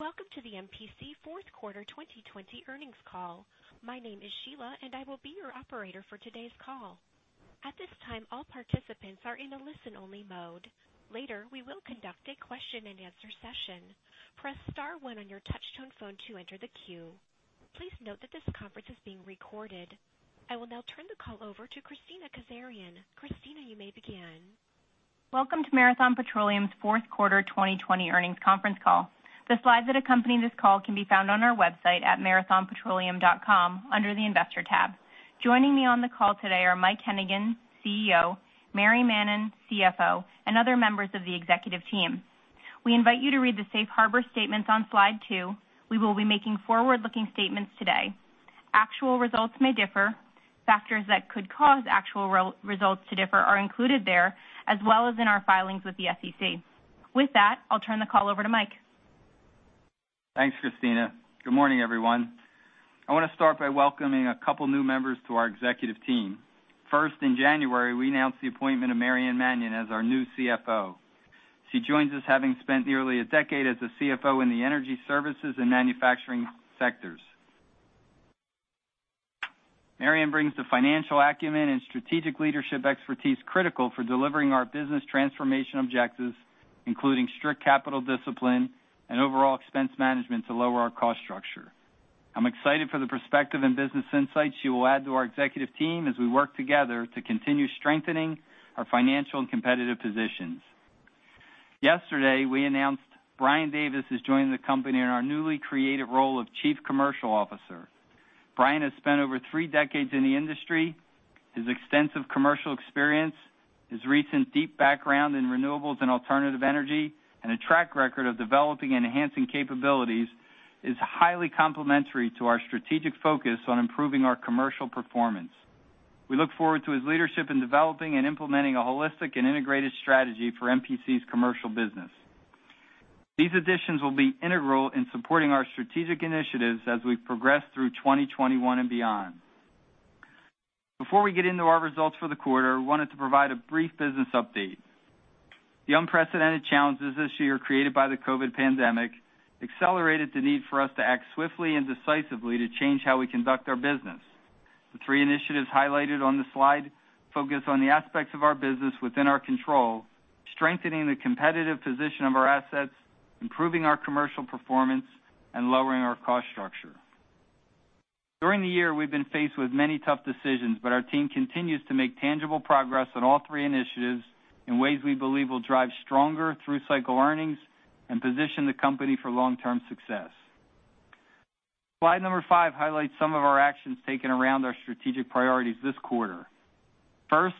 Welcome to the MPC fourth quarter 2020 earnings call. My name is Sheila, and I will be your operator for today's call. At this time, all participants are in a listen-only mode. Later, we will conduct a question and answer session. Press star one on your touchtone phone to enter the queue. Please note that this conference is being recorded. I will now turn the call over to Kristina Kazarian. Kristina, you may begin. Welcome to Marathon Petroleum's fourth quarter 2020 earnings conference call. The slides that accompany this call can be found on our website at marathonpetroleum.com under the Investor tab. Joining me on the call today are Mike Hennigan, CEO, Maryann Mannen, CFO, and other members of the executive team. We invite you to read the safe harbor statements on Slide 2. We will be making forward-looking statements today. Actual results may differ. Factors that could cause actual results to differ are included there, as well as in our filings with the SEC. With that, I'll turn the call over to Mike. Thanks, Kristina. Good morning, everyone. I want to start by welcoming a couple new members to our executive team. First, in January, we announced the appointment of Maryann Mannen as our new CFO. She joins us having spent nearly a decade as a CFO in the energy services and manufacturing sectors. Maryann brings the financial acumen and strategic leadership expertise critical for delivering our business transformation objectives, including strict capital discipline and overall expense management to lower our cost structure. I'm excited for the perspective and business insights she will add to our executive team as we work together to continue strengthening our financial and competitive positions. Yesterday, we announced Brian Davis is joining the company in our newly created role of Chief Commercial Officer. Brian has spent over three decades in the industry. His extensive commercial experience, his recent deep background in renewables and alternative energy, and a track record of developing enhancing capabilities is highly complementary to our strategic focus on improving our commercial performance. We look forward to his leadership in developing and implementing a holistic and integrated strategy for MPC's commercial business. These additions will be integral in supporting our strategic initiatives as we progress through 2021 and beyond. Before we get into our results for the quarter, I wanted to provide a brief business update. The unprecedented challenges this year created by the COVID pandemic accelerated the need for us to act swiftly and decisively to change how we conduct our business. The three initiatives highlighted on this slide focus on the aspects of our business within our control, strengthening the competitive position of our assets, improving our commercial performance, and lowering our cost structure. During the year, we've been faced with many tough decisions, but our team continues to make tangible progress on all three initiatives in ways we believe will drive stronger through-cycle earnings and position the company for long-term success. Slide number five highlights some of our actions taken around our strategic priorities this quarter. First,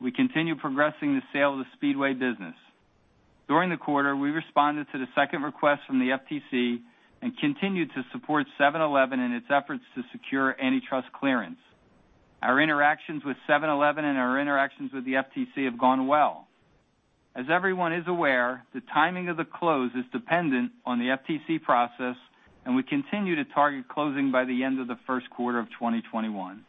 we continue progressing the sale of the Speedway business. During the quarter, we responded to the second request from the FTC and continued to support 7-Eleven in its efforts to secure antitrust clearance. Our interactions with 7-Eleven and our interactions with the FTC have gone well. As everyone is aware, the timing of the close is dependent on the FTC process, and we continue to target closing by the end of the first quarter of 2021.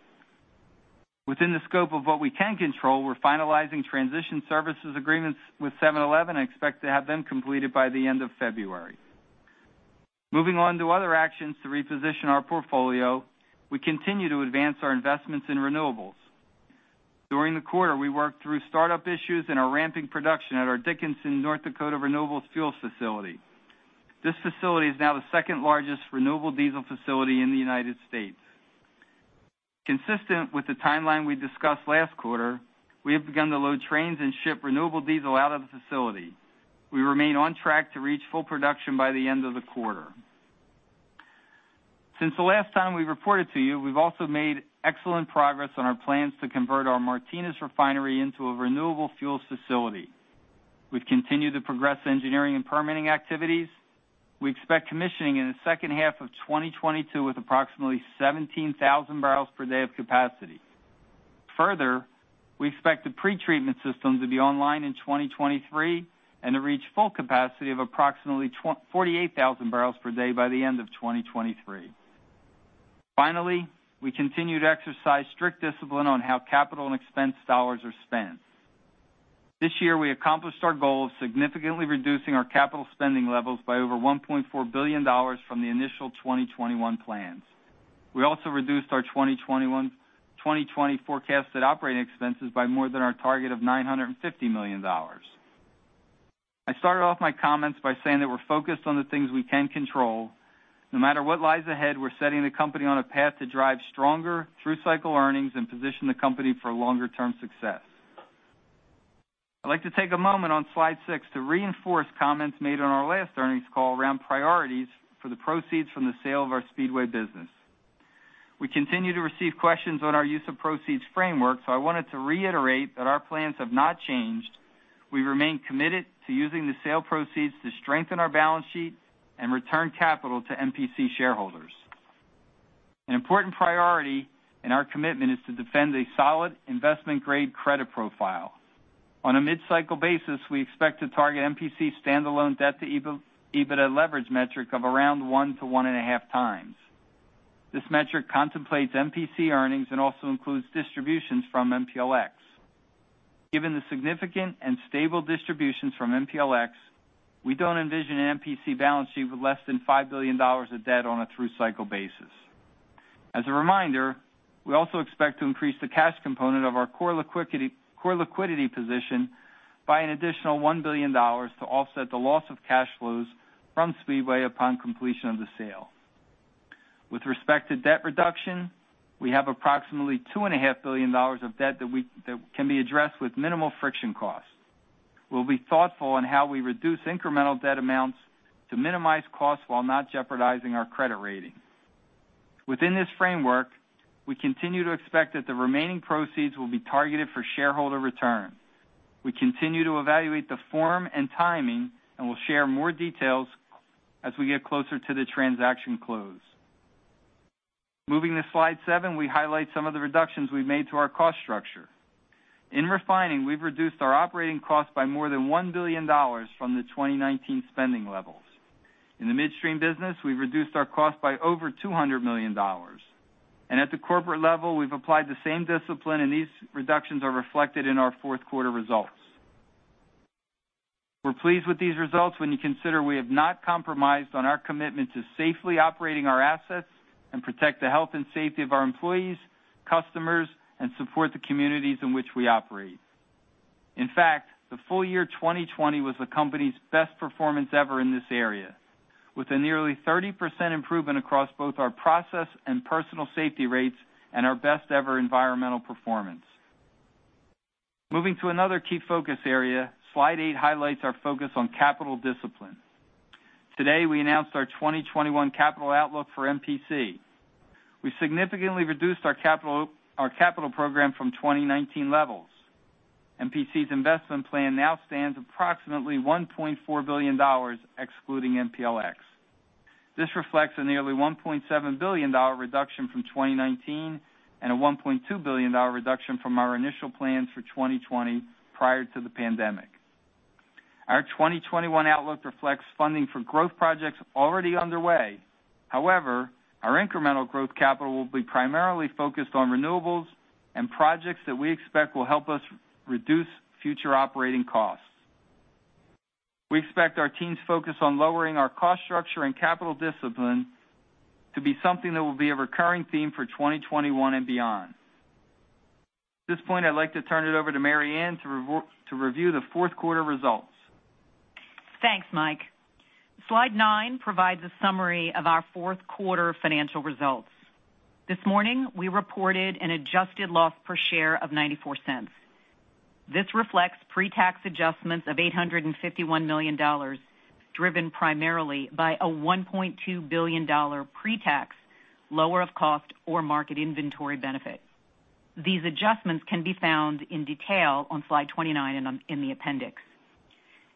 Within the scope of what we can control, we're finalizing transition services agreements with 7-Eleven and expect to have them completed by the end of February. Moving on to other actions to reposition our portfolio, we continue to advance our investments in renewables. During the quarter, we worked through startup issues and are ramping production at our Dickinson North Dakota renewables fuels facility. This facility is now the second largest renewable diesel facility in the United States. Consistent with the timeline we discussed last quarter, we have begun to load trains and ship renewable diesel out of the facility. We remain on track to reach full production by the end of the quarter. Since the last time we reported to you, we've also made excellent progress on our plans to convert our Martinez refinery into a renewable fuels facility. We've continued to progress engineering and permitting activities. We expect commissioning in the second half of 2022, with approximately 17,000 bbl per day of capacity. We expect the pretreatment system to be online in 2023 and to reach full capacity of approximately 48,000 bbl per day by the end of 2023. We continue to exercise strict discipline on how capital and expense dollars are spent. This year, we accomplished our goal of significantly reducing our capital spending levels by over $1.4 billion from the initial 2021 plans. We also reduced our 2020 forecasted operating expenses by more than our target of $950 million. I started off my comments by saying that we're focused on the things we can control. No matter what lies ahead, we're setting the company on a path to drive stronger through-cycle earnings and position the company for longer-term success. I'd like to take a moment on Slide 6 to reinforce comments made on our last earnings call around priorities for the proceeds from the sale of our Speedway business. We continue to receive questions on our use of proceeds framework, so I wanted to reiterate that our plans have not changed. We remain committed to using the sale proceeds to strengthen our balance sheet and return capital to MPC shareholders. An important priority in our commitment is to defend a solid investment-grade credit profile. On a mid-cycle basis, we expect to target MPC's standalone debt to EBITDA leverage metric of around one to 1.5x. This metric contemplates MPC earnings and also includes distributions from MPLX. Given the significant and stable distributions from MPLX, we don't envision an MPC balance sheet with less than $5 billion of debt on a through-cycle basis. As a reminder, we also expect to increase the cash component of our core liquidity position by an additional $1 billion to offset the loss of cash flows from Speedway upon completion of the sale. With respect to debt reduction, we have approximately $2.5 billion of debt that can be addressed with minimal friction costs. We'll be thoughtful in how we reduce incremental debt amounts to minimize costs while not jeopardizing our credit rating. Within this framework, we continue to expect that the remaining proceeds will be targeted for shareholder return. We continue to evaluate the form and timing, we'll share more details as we get closer to the transaction close. Moving to Slide 7, we highlight some of the reductions we've made to our cost structure. In refining, we've reduced our operating costs by more than $1 billion from the 2019 spending levels. In the midstream business, we've reduced our cost by over $200 million. At the corporate level, we've applied the same discipline, and these reductions are reflected in our fourth quarter results. We're pleased with these results when you consider we have not compromised on our commitment to safely operating our assets and protect the health and safety of our employees, customers, and support the communities in which we operate. In fact, the full year 2020 was the company's best performance ever in this area, with a nearly 30% improvement across both our process and personal safety rates and our best-ever environmental performance. Moving to another key focus area, Slide 8 highlights our focus on capital discipline. Today, we announced our 2021 capital outlook for MPC. We significantly reduced our capital program from 2019 levels. MPC's investment plan now stands approximately $1.4 billion, excluding MPLX. This reflects a nearly $1.7 billion reduction from 2019 and a $1.2 billion reduction from our initial plans for 2020 prior to the pandemic. Our 2021 outlook reflects funding for growth projects already underway. However, our incremental growth capital will be primarily focused on renewables and projects that we expect will help us reduce future operating costs. We expect our team's focus on lowering our cost structure and capital discipline to be something that will be a recurring theme for 2021 and beyond. At this point, I'd like to turn it over to Maryann to review the fourth quarter results. Thanks, Mike. Slide 9 provides a summary of our fourth quarter financial results. This morning, we reported an adjusted loss per share of $0.94. This reflects pre-tax adjustments of $851 million, driven primarily by a $1.2 billion pre-tax lower of cost or market inventory benefit. These adjustments can be found in detail on Slide 29 in the appendix.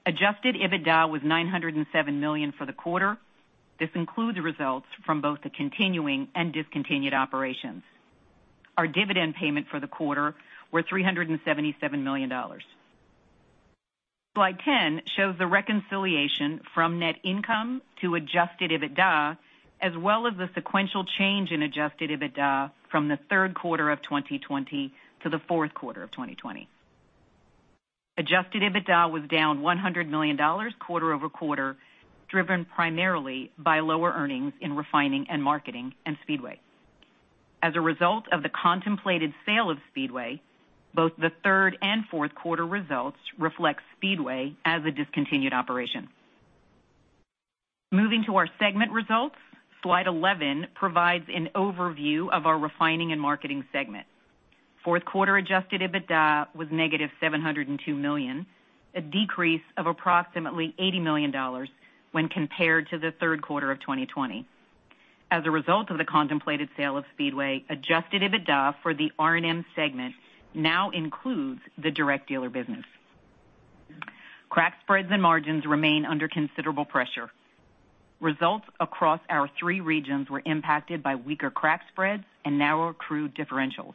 Adjusted EBITDA was $907 million for the quarter. This includes results from both the continuing and discontinued operations. Our dividend payment for the quarter was $377 million. Slide 10 shows the reconciliation from net income to Adjusted EBITDA, as well as the sequential change in Adjusted EBITDA from the third quarter of 2020 to the fourth quarter of 2020. Adjusted EBITDA was down $100 million quarter-over-quarter, driven primarily by lower earnings in refining and marketing and Speedway. As a result of the contemplated sale of Speedway, both the third and fourth quarter results reflect Speedway as a discontinued operation. Moving to our segment results, Slide 11 provides an overview of our refining and marketing segment. Fourth quarter Adjusted EBITDA was -$702 million, a decrease of approximately $80 million when compared to the third quarter of 2020. As a result of the contemplated sale of Speedway, Adjusted EBITDA for the R&M segment now includes the direct dealer business. Crack spreads and margins remain under considerable pressure. Results across our three regions were impacted by weaker crack spreads and narrower crude differentials.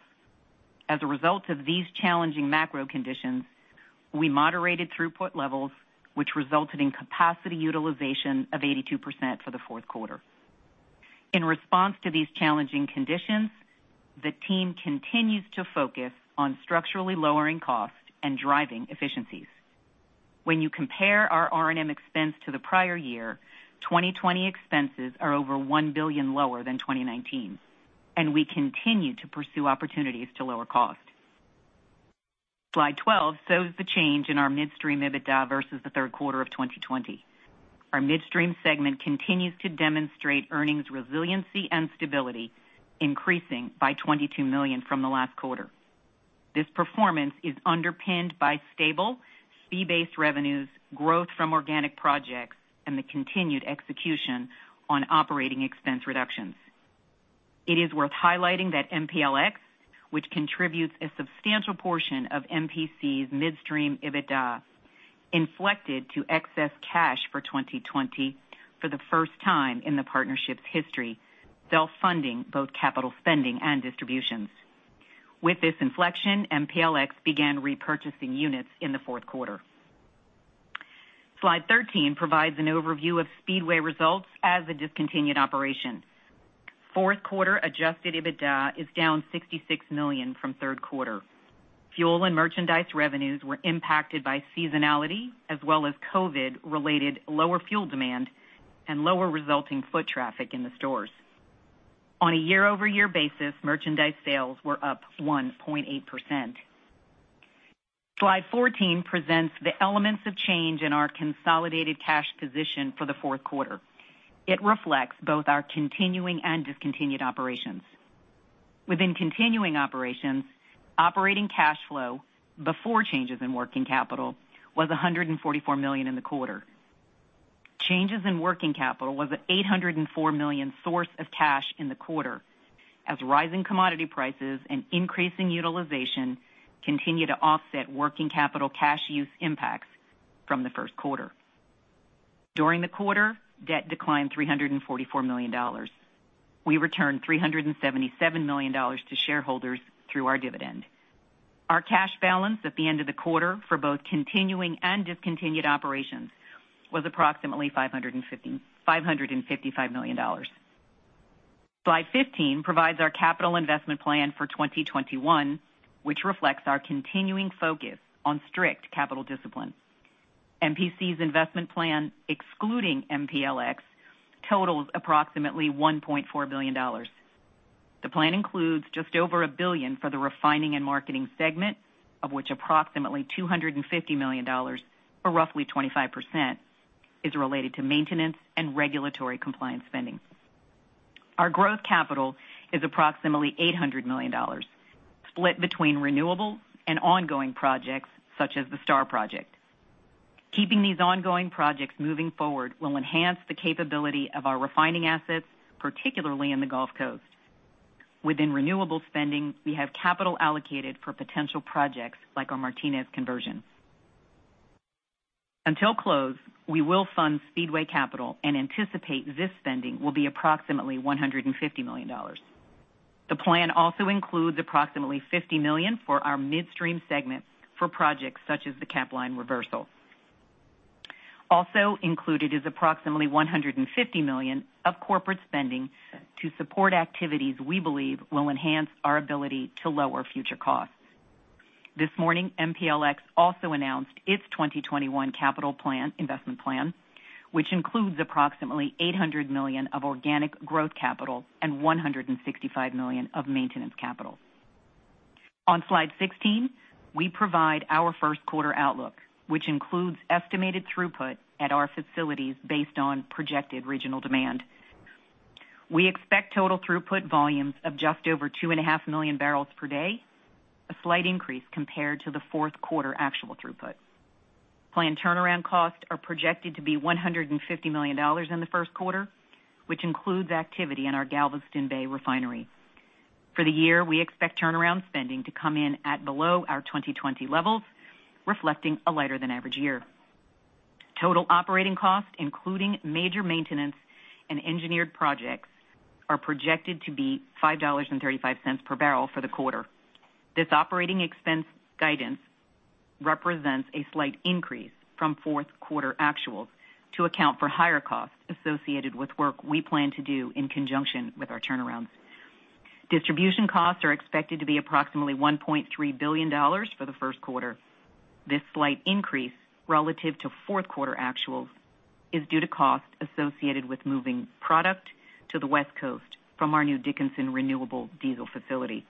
As a result of these challenging macro conditions, we moderated throughput levels, which resulted in capacity utilization of 82% for the fourth quarter. In response to these challenging conditions, the team continues to focus on structurally lowering costs and driving efficiencies. When you compare our R&M expense to the prior year, 2020 expenses are over $1 billion lower than 2019, and we continue to pursue opportunities to lower costs. Slide 12 shows the change in our midstream EBITDA versus the third quarter of 2020. Our midstream segment continues to demonstrate earnings resiliency and stability, increasing by $22 million from the last quarter. This performance is underpinned by stable fee-based revenues, growth from organic projects, and the continued execution on operating expense reductions. It is worth highlighting that MPLX, which contributes a substantial portion of MPC's midstream EBITDA, inflected to excess cash for 2020 for the first time in the partnership's history, self-funding both capital spending and distributions. With this inflection, MPLX began repurchasing units in the fourth quarter. Slide 13 provides an overview of Speedway results as a discontinued operation. Fourth quarter Adjusted EBITDA is down $66 million from third quarter. Fuel and merchandise revenues were impacted by seasonality as well as COVID-related lower fuel demand and lower resulting foot traffic in the stores. On a year-over-year basis, merchandise sales were up 1.8%. Slide 14 presents the elements of change in our consolidated cash position for the fourth quarter. It reflects both our continuing and discontinued operations. Within continuing operations, operating cash flow before changes in working capital was $144 million in the quarter. Changes in working capital was an $804 million source of cash in the quarter, as rising commodity prices and increasing utilization continue to offset working capital cash use impacts from the first quarter. During the quarter, debt declined $344 million. We returned $377 million to shareholders through our dividend. Our cash balance at the end of the quarter for both continuing and discontinued operations was approximately $555 million. Slide 15 provides our capital investment plan for 2021, which reflects our continuing focus on strict capital discipline. MPC's investment plan, excluding MPLX, totals approximately $1.4 billion. The plan includes just over $1 billion for the refining and marketing segment, of which approximately $250 million, or roughly 25%, is related to maintenance and regulatory compliance spending. Our growth capital is approximately $800 million, split between renewable and ongoing projects such as the STAR project. Keeping these ongoing projects moving forward will enhance the capability of our refining assets, particularly in the Gulf Coast. Within renewable spending, we have capital allocated for potential projects like our Martinez conversion. Until close, we will fund Speedway capital and anticipate this spending will be approximately $150 million. The plan also includes approximately $50 million for our midstream segment for projects such as the Capline reversal. Also included is approximately $150 million of corporate spending to support activities we believe will enhance our ability to lower future costs. This morning, MPLX also announced its 2021 capital plan investment plan, which includes approximately $800 million of organic growth capital and $165 million of maintenance capital. On Slide 16, we provide our first quarter outlook, which includes estimated throughput at our facilities based on projected regional demand. We expect total throughput volumes of just over 2.5 million barrels per day, a slight increase compared to the fourth quarter actual throughput. Planned turnaround costs are projected to be $150 million in the first quarter, which includes activity in our Galveston Bay refinery. For the year, we expect turnaround spending to come in at below our 2020 levels, reflecting a lighter than average year. Total operating costs, including major maintenance and engineered projects, are projected to be $5.35 per barrel for the quarter. This operating expense guidance represents a slight increase from fourth quarter actuals to account for higher costs associated with work we plan to do in conjunction with our turnarounds. Distribution costs are expected to be approximately $1.3 billion for the first quarter. This slight increase relative to fourth quarter actuals is due to costs associated with moving product to the West Coast from our new Dickinson Renewable Diesel facility.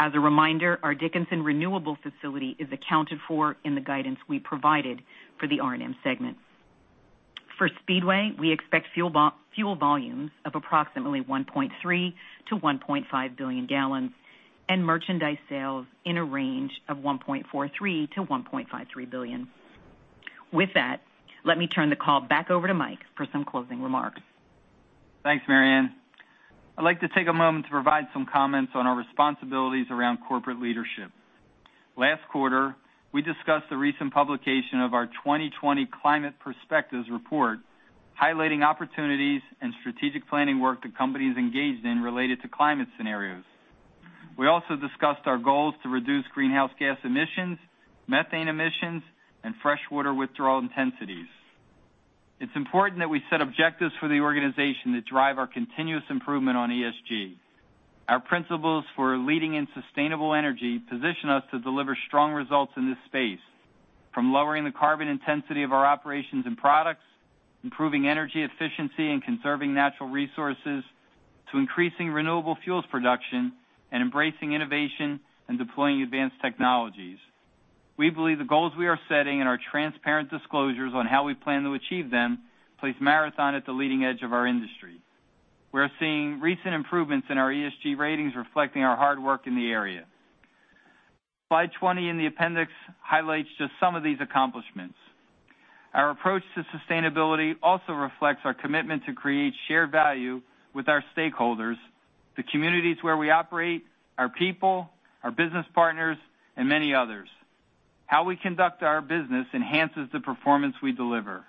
As a reminder, our Dickinson Renewable facility is accounted for in the guidance we provided for the R&M segment. For Speedway, we expect fuel volumes of approximately 1.3 billion-1.5 billion gallons and merchandise sales in a range of $1.43 billion-$1.53 billion. With that, let me turn the call back over to Mike for some closing remarks. Thanks, Maryann. I'd like to take a moment to provide some comments on our responsibilities around corporate leadership. Last quarter, we discussed the recent publication of our 2020 climate perspectives report, highlighting opportunities and strategic planning work the company is engaged in related to climate scenarios. We also discussed our goals to reduce greenhouse gas emissions, methane emissions, and freshwater withdrawal intensities. It's important that we set objectives for the organization that drive our continuous improvement on ESG. Our principles for leading in sustainable energy position us to deliver strong results in this space, from lowering the carbon intensity of our operations and products, improving energy efficiency and conserving natural resources, to increasing renewable fuels production and embracing innovation and deploying advanced technologies. We believe the goals we are setting and our transparent disclosures on how we plan to achieve them place Marathon at the leading edge of our industry. We're seeing recent improvements in our ESG ratings reflecting our hard work in the area. Slide 20 in the appendix highlights just some of these accomplishments. Our approach to sustainability also reflects our commitment to create shared value with our stakeholders, the communities where we operate, our people, our business partners, and many others. How we conduct our business enhances the performance we deliver.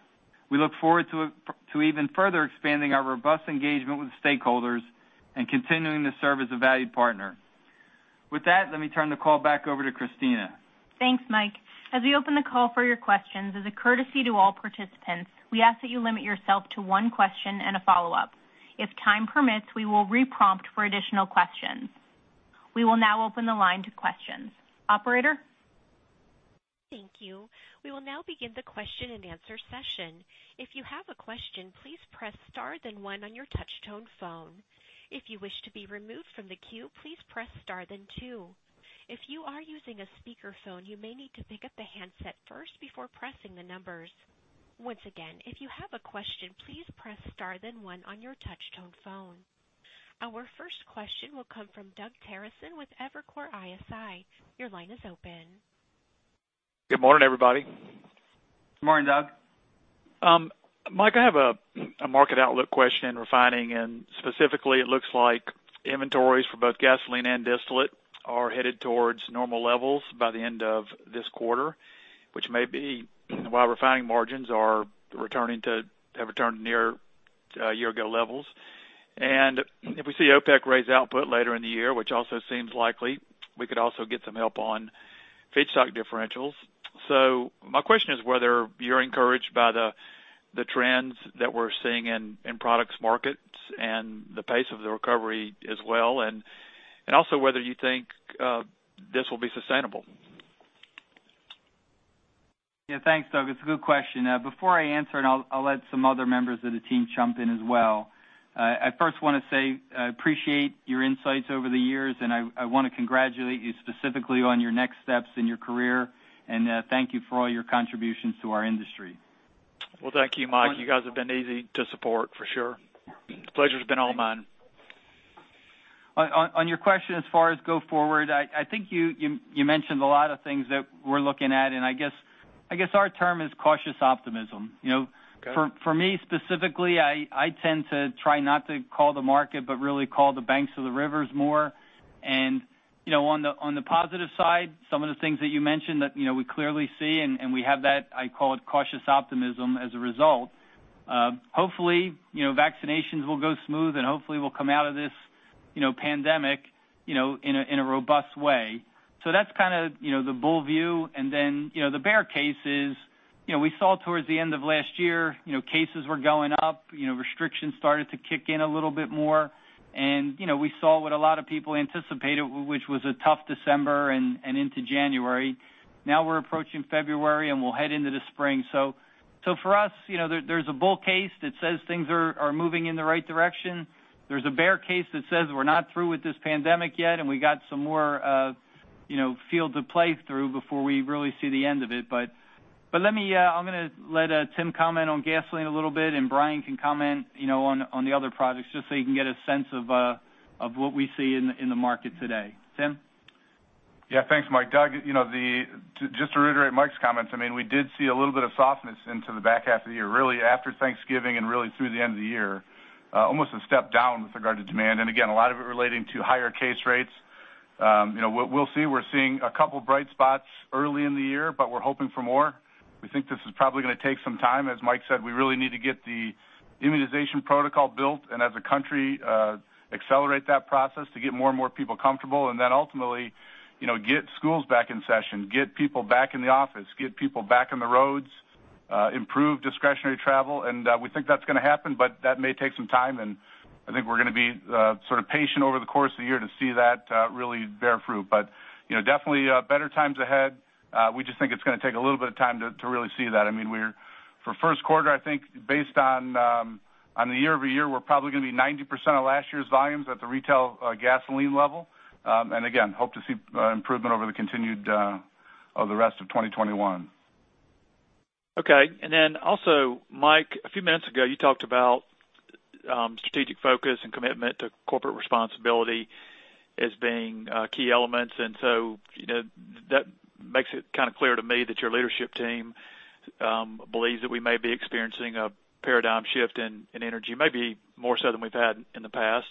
We look forward to even further expanding our robust engagement with stakeholders and continuing to serve as a valued partner. With that, let me turn the call back over to Kristina. Thanks, Mike. As we open the call for your questions, as a courtesy to all participants, we ask that you limit yourself to one question and a follow-up. If time permits, we will re-prompt for additional questions. We will now open the line to questions. Operator? Thank you. We will now begin the question and answer session. If you have a question, please press star then one on your touch tone phone. If you wish to be removed from the queue, please press star then two. If you are using a speakerphone, you may need to pick up the handset first before pressing the numbers. Once again, if you have a question, please press star then one on your touch tone phone. Our first question will come from Doug Terreson with Evercore ISI. Your line is open. Good morning, everybody. Good morning, Doug. Mike, I have a market outlook question in refining. Specifically, it looks like inventories for both gasoline and distillate are headed towards normal levels by the end of this quarter, which may be why refining margins have returned to near year-ago levels. If we see OPEC raise output later in the year, which also seems likely, we could also get some help on feedstock differentials. My question is whether you're encouraged by the trends that we're seeing in products markets and the pace of the recovery as well, and also whether you think this will be sustainable. Yeah. Thanks, Doug. It's a good question. Before I answer, and I'll let some other members of the team jump in as well. I first want to say I appreciate your insights over the years, and I want to congratulate you specifically on your next steps in your career, and thank you for all your contributions to our industry. Well, thank you, Mike. You guys have been easy to support for sure. Pleasure's been all mine. On your question as far as go forward, I think you mentioned a lot of things that we're looking at, and I guess our term is cautious optimism. Okay. For me specifically, I tend to try not to call the market, but really call the banks of the rivers more. On the positive side, some of the things that you mentioned that we clearly see, and we have that, I call it cautious optimism as a result. Hopefully, vaccinations will go smooth and hopefully we'll come out of this pandemic in a robust way. That's kind of the bull view. The bear case is we saw towards the end of last year, cases were going up, restrictions started to kick in a little bit more. We saw what a lot of people anticipated, which was a tough December and into January. We're approaching February, and we'll head into the spring. For us, there's a bull case that says things are moving in the right direction. There's a bear case that says we're not through with this pandemic yet, and we got some more field to play through before we really see the end of it. I'm going to let Tim comment on gasoline a little bit, and Brian can comment on the other products, just so you can get a sense of what we see in the market today. Tim? Thanks, Mike. Doug, just to reiterate Mike's comments, we did see a little bit of softness into the back half of the year, really after Thanksgiving and really through the end of the year. Almost a step down with regard to demand, and again, a lot of it relating to higher case rates. We'll see. We're seeing a couple of bright spots early in the year, but we're hoping for more. We think this is probably going to take some time. As Mike said, we really need to get the immunization protocol built, and as a country, accelerate that process to get more and more people comfortable, and then ultimately get schools back in session, get people back in the office, get people back on the roads, improve discretionary travel, and we think that's going to happen, but that may take some time, and I think we're going to be sort of patient over the course of the year to see that really bear fruit. Definitely better times ahead. We just think it's going to take a little bit of time to really see that. For first quarter, I think based on the year-over-year, we're probably going to be 90% of last year's volumes at the retail gasoline level. Again, hope to see improvement over the rest of 2021. Okay. Then also, Mike, a few minutes ago, you talked about strategic focus and commitment to corporate responsibility as being key elements. That makes it kind of clear to me that your leadership team believes that we may be experiencing a paradigm shift in energy, maybe more so than we've had in the past.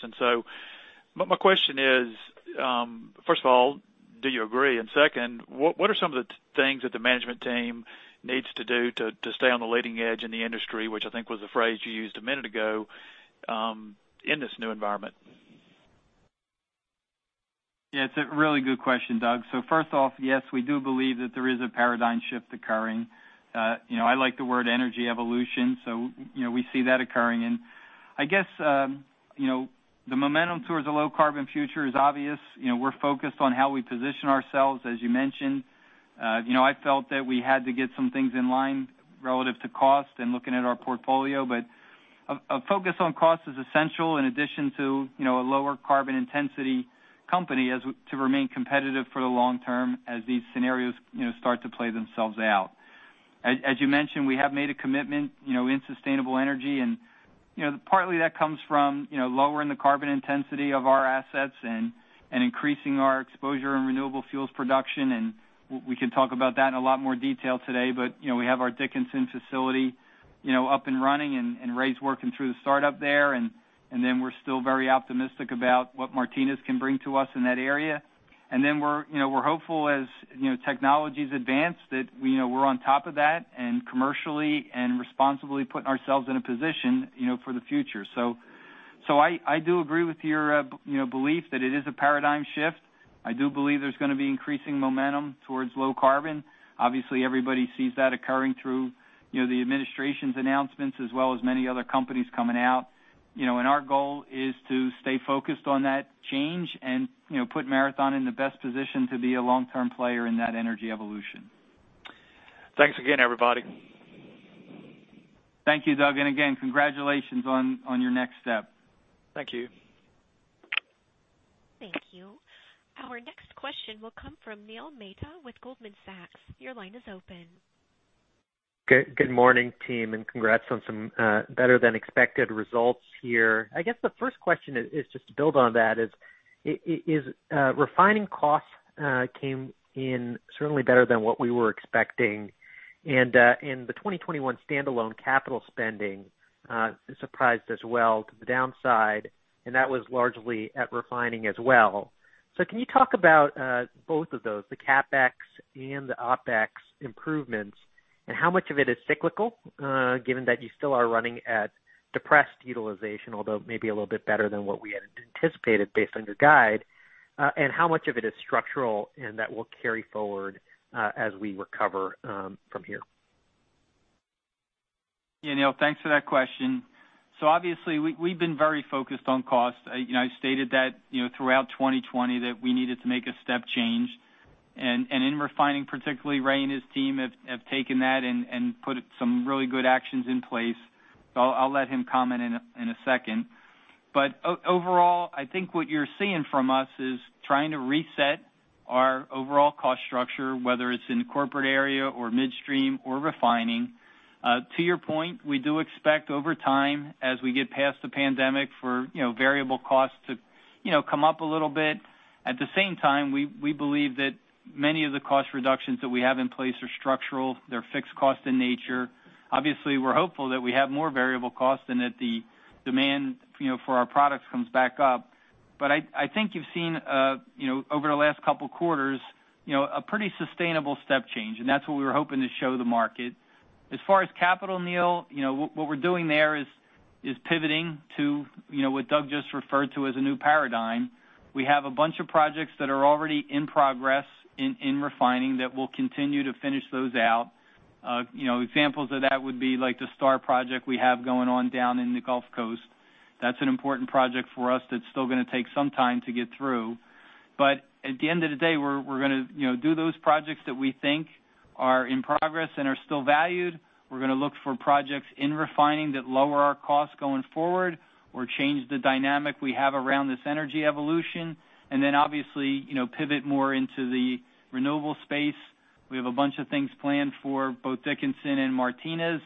My question is first of all, do you agree? Second, what are some of the things that the management team needs to do to stay on the leading edge in the industry, which I think was a phrase you used a minute ago, in this new environment? It's a really good question, Doug. First off, yes, we do believe that there is a paradigm shift occurring. I like the word energy evolution. We see that occurring, and I guess the momentum towards a low carbon future is obvious. We're focused on how we position ourselves, as you mentioned. I felt that we had to get some things in line relative to cost and looking at our portfolio. A focus on cost is essential in addition to a lower carbon intensity company as to remain competitive for the long term as these scenarios start to play themselves out. As you mentioned, we have made a commitment in sustainable energy, and partly that comes from lowering the carbon intensity of our assets and increasing our exposure in renewable fuels production. We can talk about that in a lot more detail today. We have our Dickinson facility up and running, and Ray's working through the startup there. Then we're still very optimistic about what Martinez can bring to us in that area. Then we're hopeful as technologies advance, that we're on top of that and commercially and responsibly putting ourselves in a position for the future. I do agree with your belief that it is a paradigm shift. I do believe there's going to be increasing momentum towards low carbon. Obviously, everybody sees that occurring through the administration's announcements as well as many other companies coming out. Our goal is to stay focused on that change and put Marathon in the best position to be a long-term player in that energy evolution. Thanks again, everybody. Thank you, Doug. Again, congratulations on your next step. Thank you. Thank you. Our next question will come from Neil Mehta with Goldman Sachs. Your line is open. Good morning, team, and congrats on some better-than-expected results here. I guess the first question is just to build on that is, refining costs came in certainly better than what we were expecting. The 2021 standalone capital spending surprised as well to the downside, and that was largely at refining as well. Can you talk about both of those, the CapEx and the OpEx improvements? How much of it is cyclical, given that you still are running at depressed utilization, although maybe a little bit better than what we had anticipated based on your guide? How much of it is structural and that will carry forward as we recover from here? Yeah, Neil, thanks for that question. Obviously, we've been very focused on cost. I stated that throughout 2020 that we needed to make a step change. In refining particularly, Ray and his team have taken that and put some really good actions in place. I'll let him comment in a second. Overall, I think what you're seeing from us is trying to reset our overall cost structure, whether it's in the corporate area or midstream or refining. To your point, we do expect over time, as we get past the pandemic for variable costs to come up a little bit. At the same time, we believe that many of the cost reductions that we have in place are structural. They're fixed costs in nature. Obviously, we're hopeful that we have more variable costs and that the demand for our products comes back up. I think you've seen over the last couple of quarters, a pretty sustainable step change, and that's what we were hoping to show the market. As far as capital, Neil, what we're doing there is pivoting to what Doug just referred to as a new paradigm. We have a bunch of projects that are already in progress in refining that we'll continue to finish those out. Examples of that would be like the STAR project we have going on down in the Gulf Coast. That's an important project for us that's still going to take some time to get through. At the end of the day, we're going to do those projects that we think are in progress and are still valued. We're going to look for projects in refining that lower our costs going forward or change the dynamic we have around this energy evolution. Obviously, pivot more into the renewable space. We have a bunch of things planned for both Dickinson and Martinez.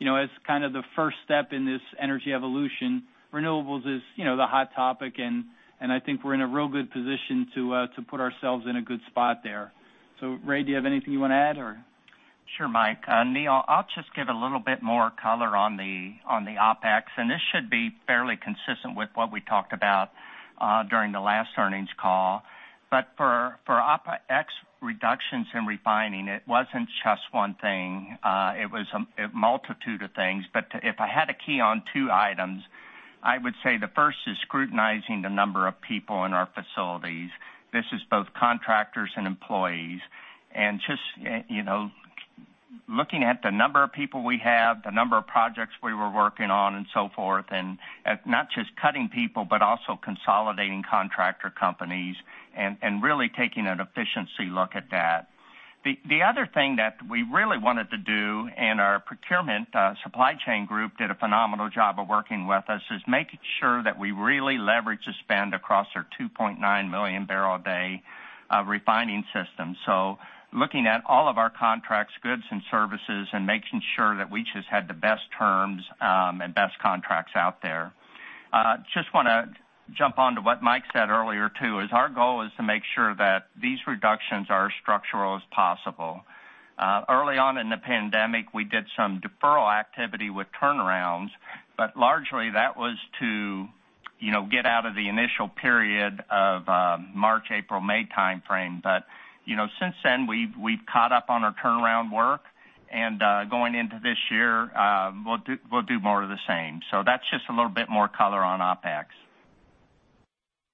As kind of the first step in this energy evolution, renewables is the hot topic, and I think we're in a real good position to put ourselves in a good spot there. Ray, do you have anything you want to add, or? Sure, Mike. Neil, I'll just give a little bit more color on the OpEx. This should be fairly consistent with what we talked about during the last earnings call. For OpEx reductions in refining, it wasn't just one thing. It was a multitude of things. If I had to key on two items, I would say the first is scrutinizing the number of people in our facilities. This is both contractors and employees. Just looking at the number of people we have, the number of projects we were working on, and so forth. Not just cutting people, but also consolidating contractor companies and really taking an efficiency look at that. The other thing that we really wanted to do, our procurement supply chain group did a phenomenal job of working with us, is making sure that we really leverage the spend across our 2.9 million barrel a day refining system. Looking at all of our contracts, goods, and services and making sure that we just had the best terms and best contracts out there. Just want to jump onto what Mike said earlier, too, is our goal is to make sure that these reductions are as structural as possible. Early on in the pandemic, we did some deferral activity with turnarounds, largely that was to get out of the initial period of March, April, May timeframe. Since then, we've caught up on our turnaround work and going into this year, we'll do more of the same. That's just a little bit more color on OpEx.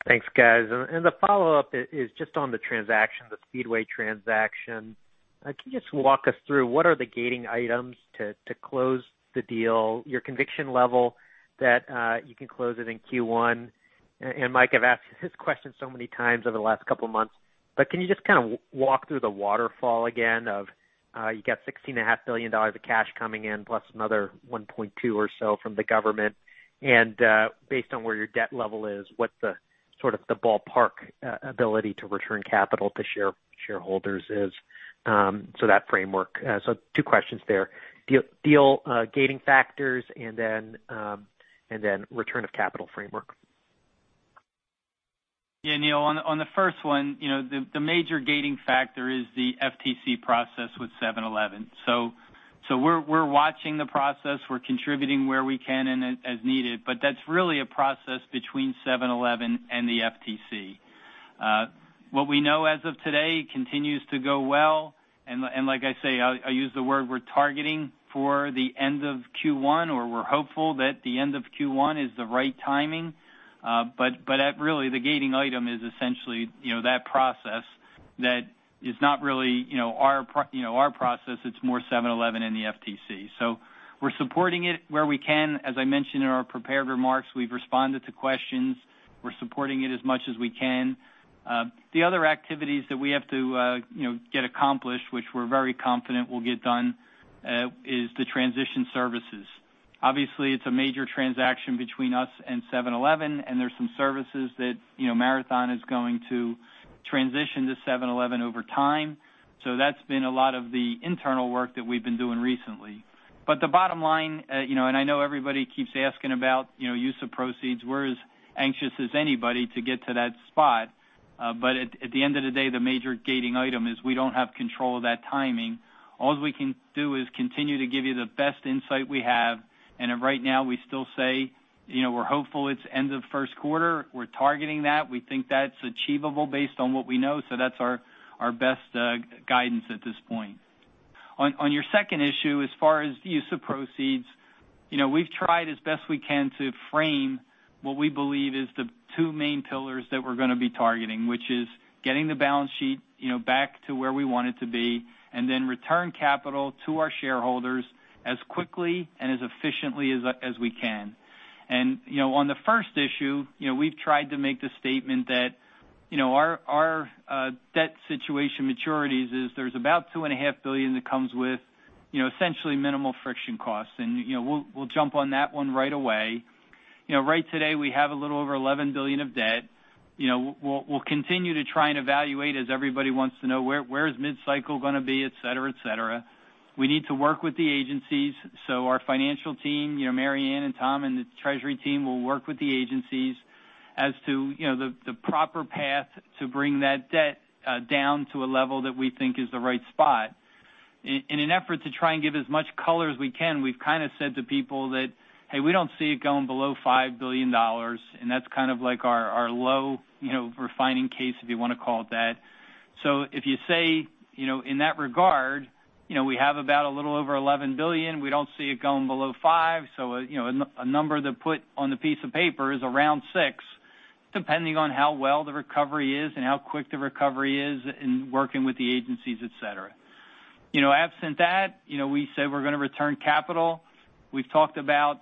Thanks, guys. The follow-up is just on the transaction, the Speedway transaction. Can you just walk us through what are the gating items to close the deal, your conviction level that you can close it in Q1? Mike, I've asked this question so many times over the last couple of months, but can you just kind of walk through the waterfall again of you got $16.5 billion of cash coming in, plus another $1.2 or so from the government, and based on where your debt level is, what's the sort of the ballpark ability to return capital to shareholders? That framework. Two questions there. Deal gating factors, return of capital framework. Neil, on the first one, the major gating factor is the FTC process with 7-Eleven. We're watching the process. We're contributing where we can and as needed, but that's really a process between 7-Eleven and the FTC. What we know as of today continues to go well, and like I say, I use the word we're targeting for the end of Q1, or we're hopeful that the end of Q1 is the right timing. Really, the gating item is essentially that process that is not really our process. It's more 7-Eleven and the FTC. We're supporting it where we can. As I mentioned in our prepared remarks, we've responded to questions. We're supporting it as much as we can. The other activities that we have to get accomplished, which we're very confident we'll get done, is the transition services. It's a major transaction between us and 7-Eleven, and there's some services that Marathon is going to transition to 7-Eleven over time. That's been a lot of the internal work that we've been doing recently. The bottom line, and I know everybody keeps asking about use of proceeds. We're as anxious as anybody to get to that spot. At the end of the day, the major gating item is we don't have control of that timing. All we can do is continue to give you the best insight we have. Right now, we still say we're hopeful it's end of first quarter. We're targeting that. We think that's achievable based on what we know. That's our best guidance at this point. On your second issue, as far as the use of proceeds, we've tried as best we can to frame what we believe is the two main pillars that we're going to be targeting, which is getting the balance sheet back to where we want it to be, and then return capital to our shareholders as quickly and as efficiently as we can. On the first issue, we've tried to make the statement that our debt situation maturities is there's about $2.5 billion that comes with essentially minimal friction costs, and we'll jump on that one right away. Right today, we have a little over $11 billion of debt. We'll continue to try and evaluate as everybody wants to know where is mid-cycle going to be, et cetera. We need to work with the agencies. Our financial team, Maryann and Tom, and the treasury team will work with the agencies as to the proper path to bring that debt down to a level that we think is the right spot. In an effort to try and give as much color as we can, we've kind of said to people that, hey, we don't see it going below $5 billion, and that's kind of like our low refining case, if you want to call it that. If you say in that regard, we have about a little over $11 billion. We don't see it going below $5 billion. A number to put on the piece of paper is around $6 billion, depending on how well the recovery is and how quick the recovery is in working with the agencies, et cetera. Absent that, we said we're going to return capital. We've talked about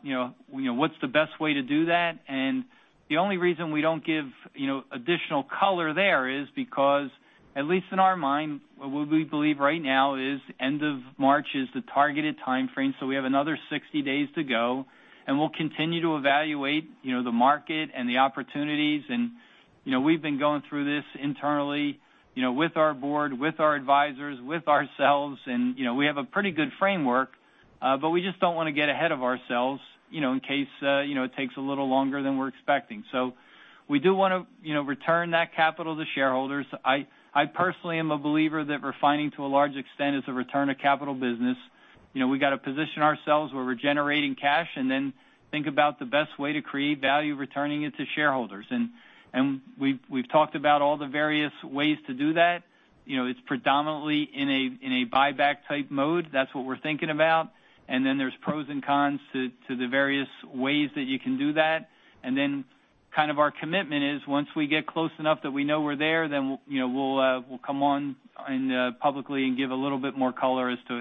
what's the best way to do that, and the only reason we don't give additional color there is because, at least in our mind, what we believe right now is end of March is the targeted timeframe. We have another 60 days to go, and we'll continue to evaluate the market and the opportunities. We've been going through this internally with our board, with our advisors, with ourselves, and we have a pretty good framework. We just don't want to get ahead of ourselves in case it takes a little longer than we're expecting. We do want to return that capital to shareholders. I personally am a believer that refining to a large extent is a return of capital business. We got to position ourselves where we're generating cash and then think about the best way to create value returning it to shareholders. We've talked about all the various ways to do that. It's predominantly in a buyback type mode. That's what we're thinking about. There's pros and cons to the various ways that you can do that. Kind of our commitment is once we get close enough that we know we're there, then we'll come on publicly and give a little bit more color as to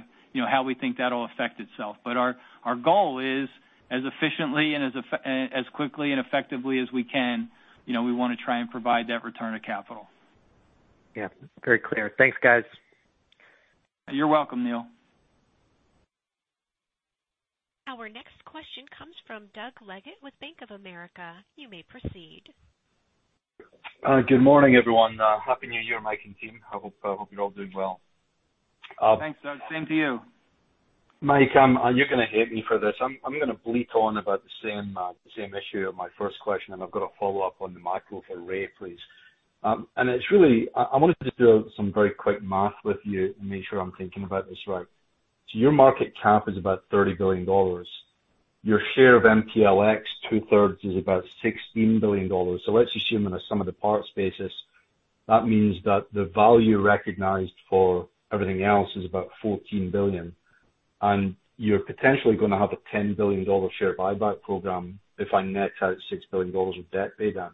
how we think that'll affect itself. Our goal is as efficiently and as quickly and effectively as we can, we want to try and provide that return of capital. Yeah. Very clear. Thanks, guys. You're welcome, Neil. Our next question comes from Doug Leggate with Bank of America. You may proceed. Good morning, everyone. Happy New Year, Mike and team. I hope you're all doing well. Thanks, Doug. Same to you. Mike, you're going to hate me for this. I'm going to bleat on about the same issue of my first question, and I've got a follow-up on the micro for Ray, please. It's really, I wanted to do some very quick math with you and make sure I'm thinking about this right. Your market cap is about $30 billion. Your share of MPLX, 2/3 is about $16 billion. Let's assume on a sum of the parts basis, that means that the value recognized for everything else is about $14 billion, and you're potentially going to have a $10 billion share buyback program if I net out $6 billion of debt pay down.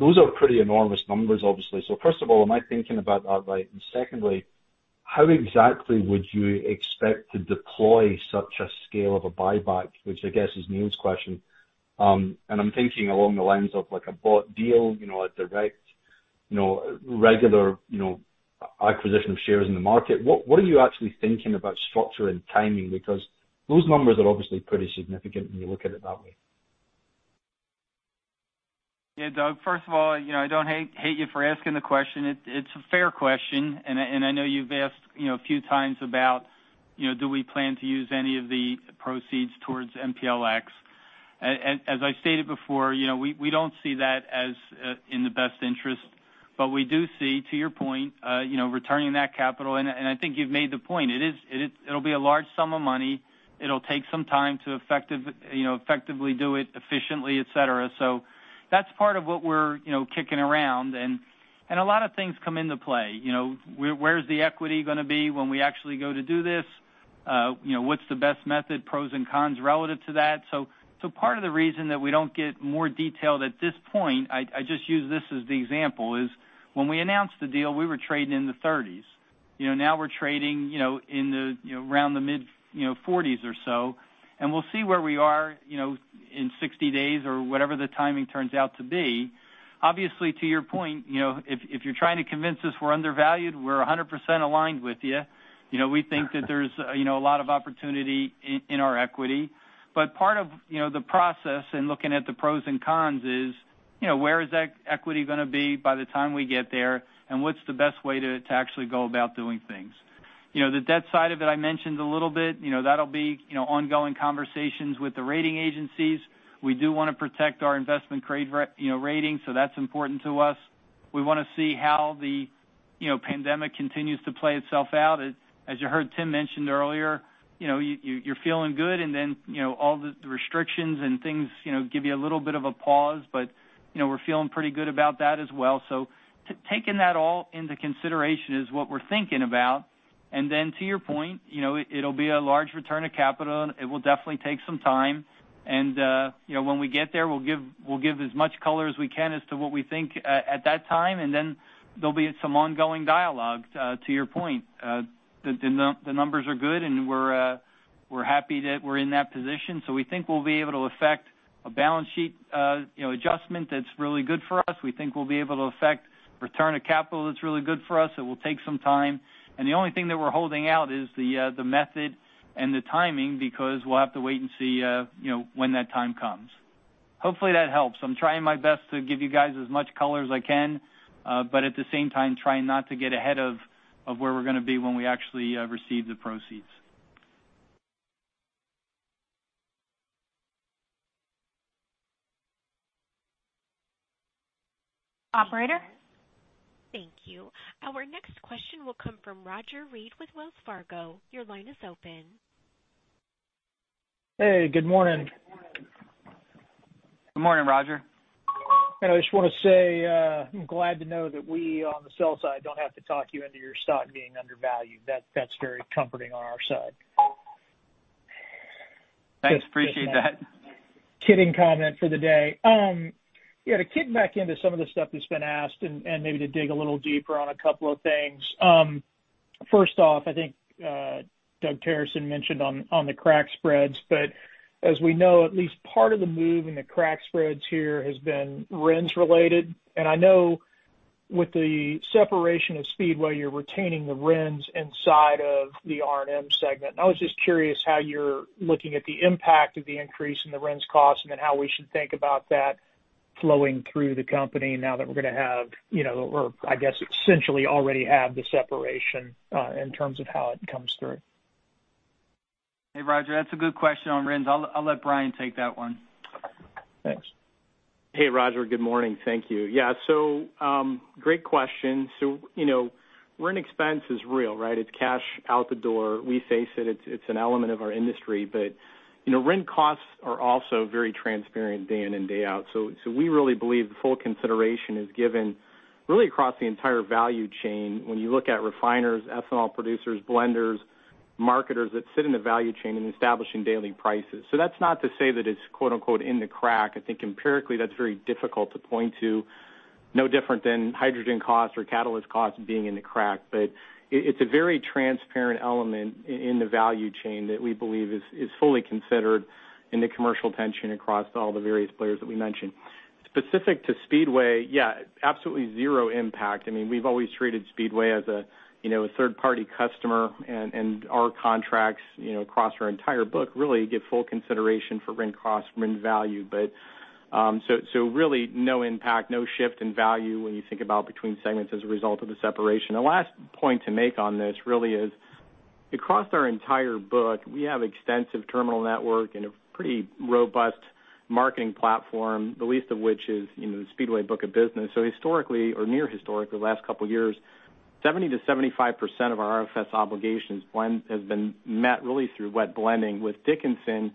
Those are pretty enormous numbers, obviously. First of all, am I thinking about that right? Secondly, how exactly would you expect to deploy such a scale of a buyback, which I guess is Neil's question? I'm thinking along the lines of like a bought deal, a direct regular acquisition of shares in the market. What are you actually thinking about structure and timing? Those numbers are obviously pretty significant when you look at it that way. Doug, first of all, I don't hate you for asking the question. It's a fair question. I know you've asked a few times about do we plan to use any of the proceeds towards MPLX. As I stated before, we don't see that as in the best interest. We do see, to your point, returning that capital. I think you've made the point. It'll be a large sum of money. It'll take some time to effectively do it efficiently, et cetera. That's part of what we're kicking around. A lot of things come into play. Where's the equity going to be when we actually go to do this? What's the best method, pros and cons relative to that? Part of the reason that we don't get more detailed at this point, I just use this as the example, is when we announced the deal, we were trading in the 30s. Now we're trading around the mid-40s or so, and we'll see where we are in 60 days or whatever the timing turns out to be. Obviously, to your point, if you're trying to convince us we're undervalued, we're 100% aligned with you. We think that there's a lot of opportunity in our equity. Part of the process in looking at the pros and cons is, where is equity going to be by the time we get there, and what's the best way to actually go about doing things? The debt side of it, I mentioned a little bit. That'll be ongoing conversations with the rating agencies. We do want to protect our investment grade ratings, so that's important to us. We want to see how the pandemic continues to play itself out. As you heard Tim mention earlier, you're feeling good and then all the restrictions and things give you a little bit of a pause, but we're feeling pretty good about that as well. Taking that all into consideration is what we're thinking about. To your point, it'll be a large return of capital. It will definitely take some time. When we get there, we'll give as much color as we can as to what we think at that time, and then there'll be some ongoing dialogue, to your point. The numbers are good, and we're happy that we're in that position. We think we'll be able to affect a balance sheet adjustment that's really good for us. We think we'll be able to affect return of capital that's really good for us. It will take some time. The only thing that we're holding out is the method and the timing, because we'll have to wait and see when that time comes. Hopefully that helps. I'm trying my best to give you guys as much color as I can, but at the same time, trying not to get ahead of where we're going to be when we actually receive the proceeds. Operator? Thank you. Our next question will come from Roger Read with Wells Fargo. Your line is open. Hey, good morning. Good morning, Roger. I just want to say I'm glad to know that we, on the sell side, don't have to talk you into your stock being undervalued. That's very comforting on our side. Thanks. Appreciate that. Kidding comment for the day. To kick back into some of the stuff that's been asked and maybe to dig a little deeper on a couple of things. First off, I think Doug Terreson mentioned on the crack spreads, but as we know, at least part of the move in the crack spreads here has been RINs related. I know with the separation of Speedway, you're retaining the RINs inside of the R&M segment. I was just curious how you're looking at the impact of the increase in the RINs cost, and then how we should think about that flowing through the company now that we're going to have or I guess, essentially already have the separation in terms of how it comes through. Hey, Roger, that's a good question on RINs. I'll let Brian take that one. Thanks. Hey, Roger. Good morning. Thank you. Yeah. Great question. RIN expense is real, right? It's cash out the door. We face it. It's an element of our industry. RIN costs are also very transparent day in and day out. We really believe the full consideration is given really across the entire value chain when you look at refiners, ethanol producers, blenders, marketers that sit in the value chain in establishing daily prices. That's not to say that it's "in the crack." I think empirically, that's very difficult to point to. No different than hydrogen cost or catalyst cost being in the crack. It's a very transparent element in the value chain that we believe is fully considered in the commercial tension across all the various players that we mentioned. Specific to Speedway, yeah, absolutely zero impact. We've always treated Speedway as a third-party customer, and our contracts across our entire book really get full consideration for RIN cost, RIN value. Really no impact, no shift in value when you think about between segments as a result of the separation. The last point to make on this really is across our entire book, we have extensive terminal network and a pretty robust marketing platform, the least of which is the Speedway book of business. Historically or near historically, last couple of years, 70%-75% of our RFS obligations has been met really through wet blending. With Dickinson,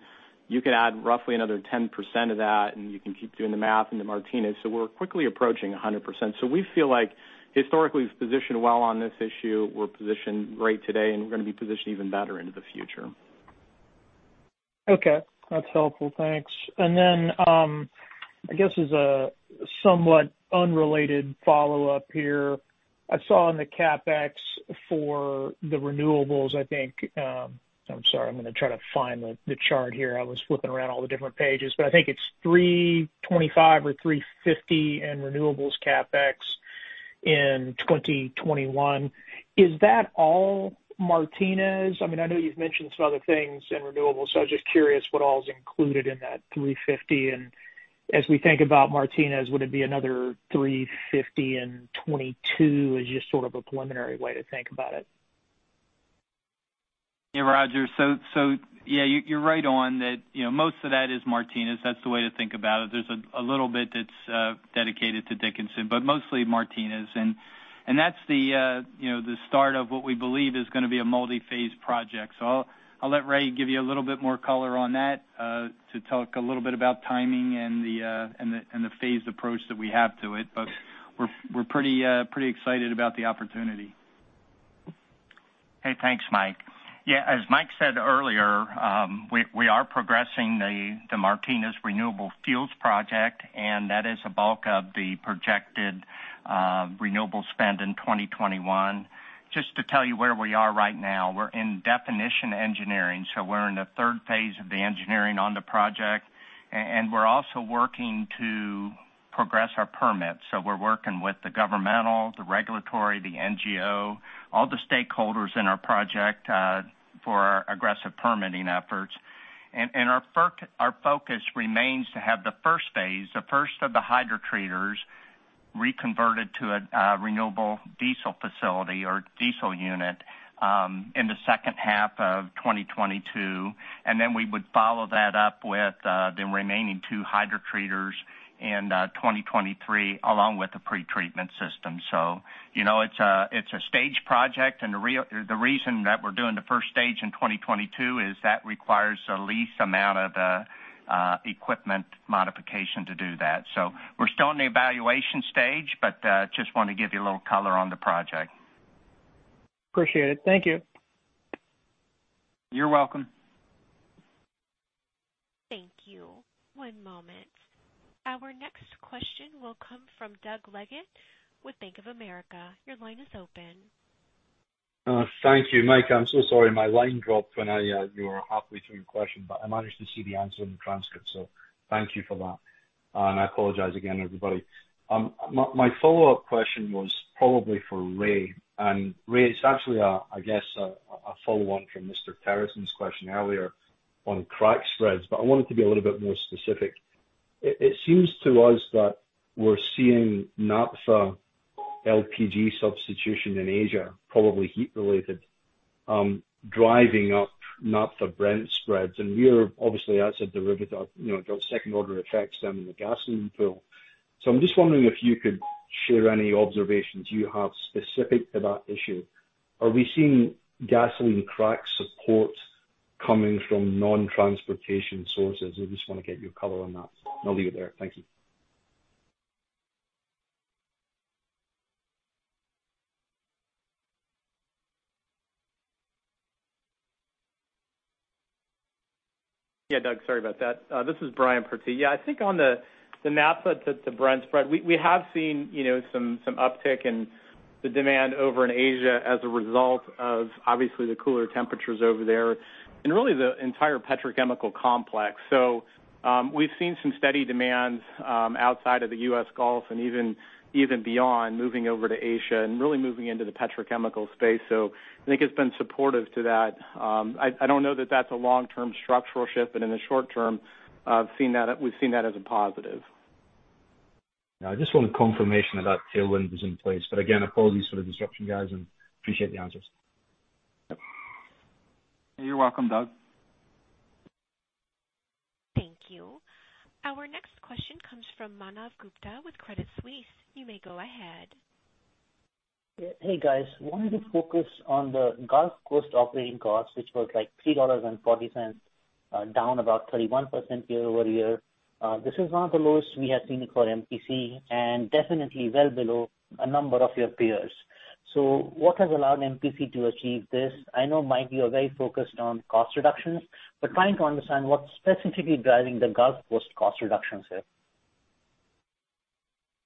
you could add roughly another 10% of that, and you can keep doing the math into Martinez. We're quickly approaching 100%. We feel like historically we've positioned well on this issue. We're positioned great today, and we're going to be positioned even better into the future. Okay. That's helpful. Thanks. I guess as a somewhat unrelated follow-up here, I saw in the CapEx for the renewables, I think I'm sorry, I'm going to try to find the chart here. I was flipping around all the different pages, I think it's $325 or $350 in renewables CapEx in 2021. Is that all Martinez? I know you've mentioned some other things in renewables, I was just curious what all is included in that $350. As we think about Martinez, would it be another $350 in 2022, as just sort of a preliminary way to think about it? Yeah, Roger. Yeah, you're right on that most of that is Martinez. That's the way to think about it. There's a little bit that's dedicated to Dickinson, but mostly Martinez. That's the start of what we believe is going to be a multi-phase project. I'll let Ray give you a little bit more color on that. To talk a little bit about timing and the phased approach that we have to it. We're pretty excited about the opportunity. Hey, thanks, Mike. Yeah, as Mike said earlier, we are progressing the Martinez Renewable Fuels Project, and that is the bulk of the projected renewable spend in 2021. Just to tell you where we are right now, we're in definition engineering. We're in the third phase of the engineering on the project, and we're also working to progress our permits. We're working with the governmental, the regulatory, the NGO, all the stakeholders in our project for our aggressive permitting efforts. Our focus remains to have the first phase, the first of the hydrotreaters reconverted to a renewable diesel facility or diesel unit in the second half of 2022, and then we would follow that up with the remaining two hydrotreaters in 2023, along with the pretreatment system. It's a stage project, and the reason that we're doing the first stage in 2022 is that requires the least amount of equipment modification to do that. We're still in the evaluation stage, but just want to give you a little color on the project. Appreciate it. Thank you. You're welcome. Thank you. One moment. Our next question will come from Doug Leggate with Bank of America. Your line is open. Thank you, Mike. I'm so sorry my line dropped when you were halfway through your question, but I managed to see the answer in the transcript, so thank you for that, and I apologize again, everybody. My follow-up question was probably for Ray. Ray, it's actually, I guess, a follow-on from Mr. Terreson's question earlier on crack spreads, but I want it to be a little bit more specific. It seems to us that we're seeing naphtha LPG substitution in Asia, probably heat-related, driving up naphtha Brent spreads, and we are obviously as a derivative, got second-order effects down in the gasoline pool. I'm just wondering if you could share any observations you have specific to that issue. Are we seeing gasoline crack support coming from non-transportation sources? I just want to get your color on that. I'll leave it there. Thank you. Yeah, Doug, sorry about that. This is Brian Partee. Yeah, I think on the naphtha to Brent spread, we have seen some uptick in the demand over in Asia as a result of, obviously, the cooler temperatures over there, and really the entire petrochemical complex. We've seen some steady demands outside of the U.S. Gulf and even beyond, moving over to Asia and really moving into the petrochemical space. I think it's been supportive to that. I don't know that that's a long-term structural shift, but in the short term, we've seen that as a positive. Yeah. I just wanted confirmation that that tailwind was in place. Again, apologies for the disruption, guys, and appreciate the answers. You're welcome, Doug. Thank you. Our next question comes from Manav Gupta with Credit Suisse. You may go ahead. Hey, guys. Wanted to focus on the Gulf Coast operating costs, which were like $3.40, down about 31% year-over-year. This is one of the lowest we have seen it for MPC and definitely well below a number of your peers. What has allowed MPC to achieve this? I know, Mike, you are very focused on cost reductions, but trying to understand what's specifically driving the Gulf Coast cost reductions there.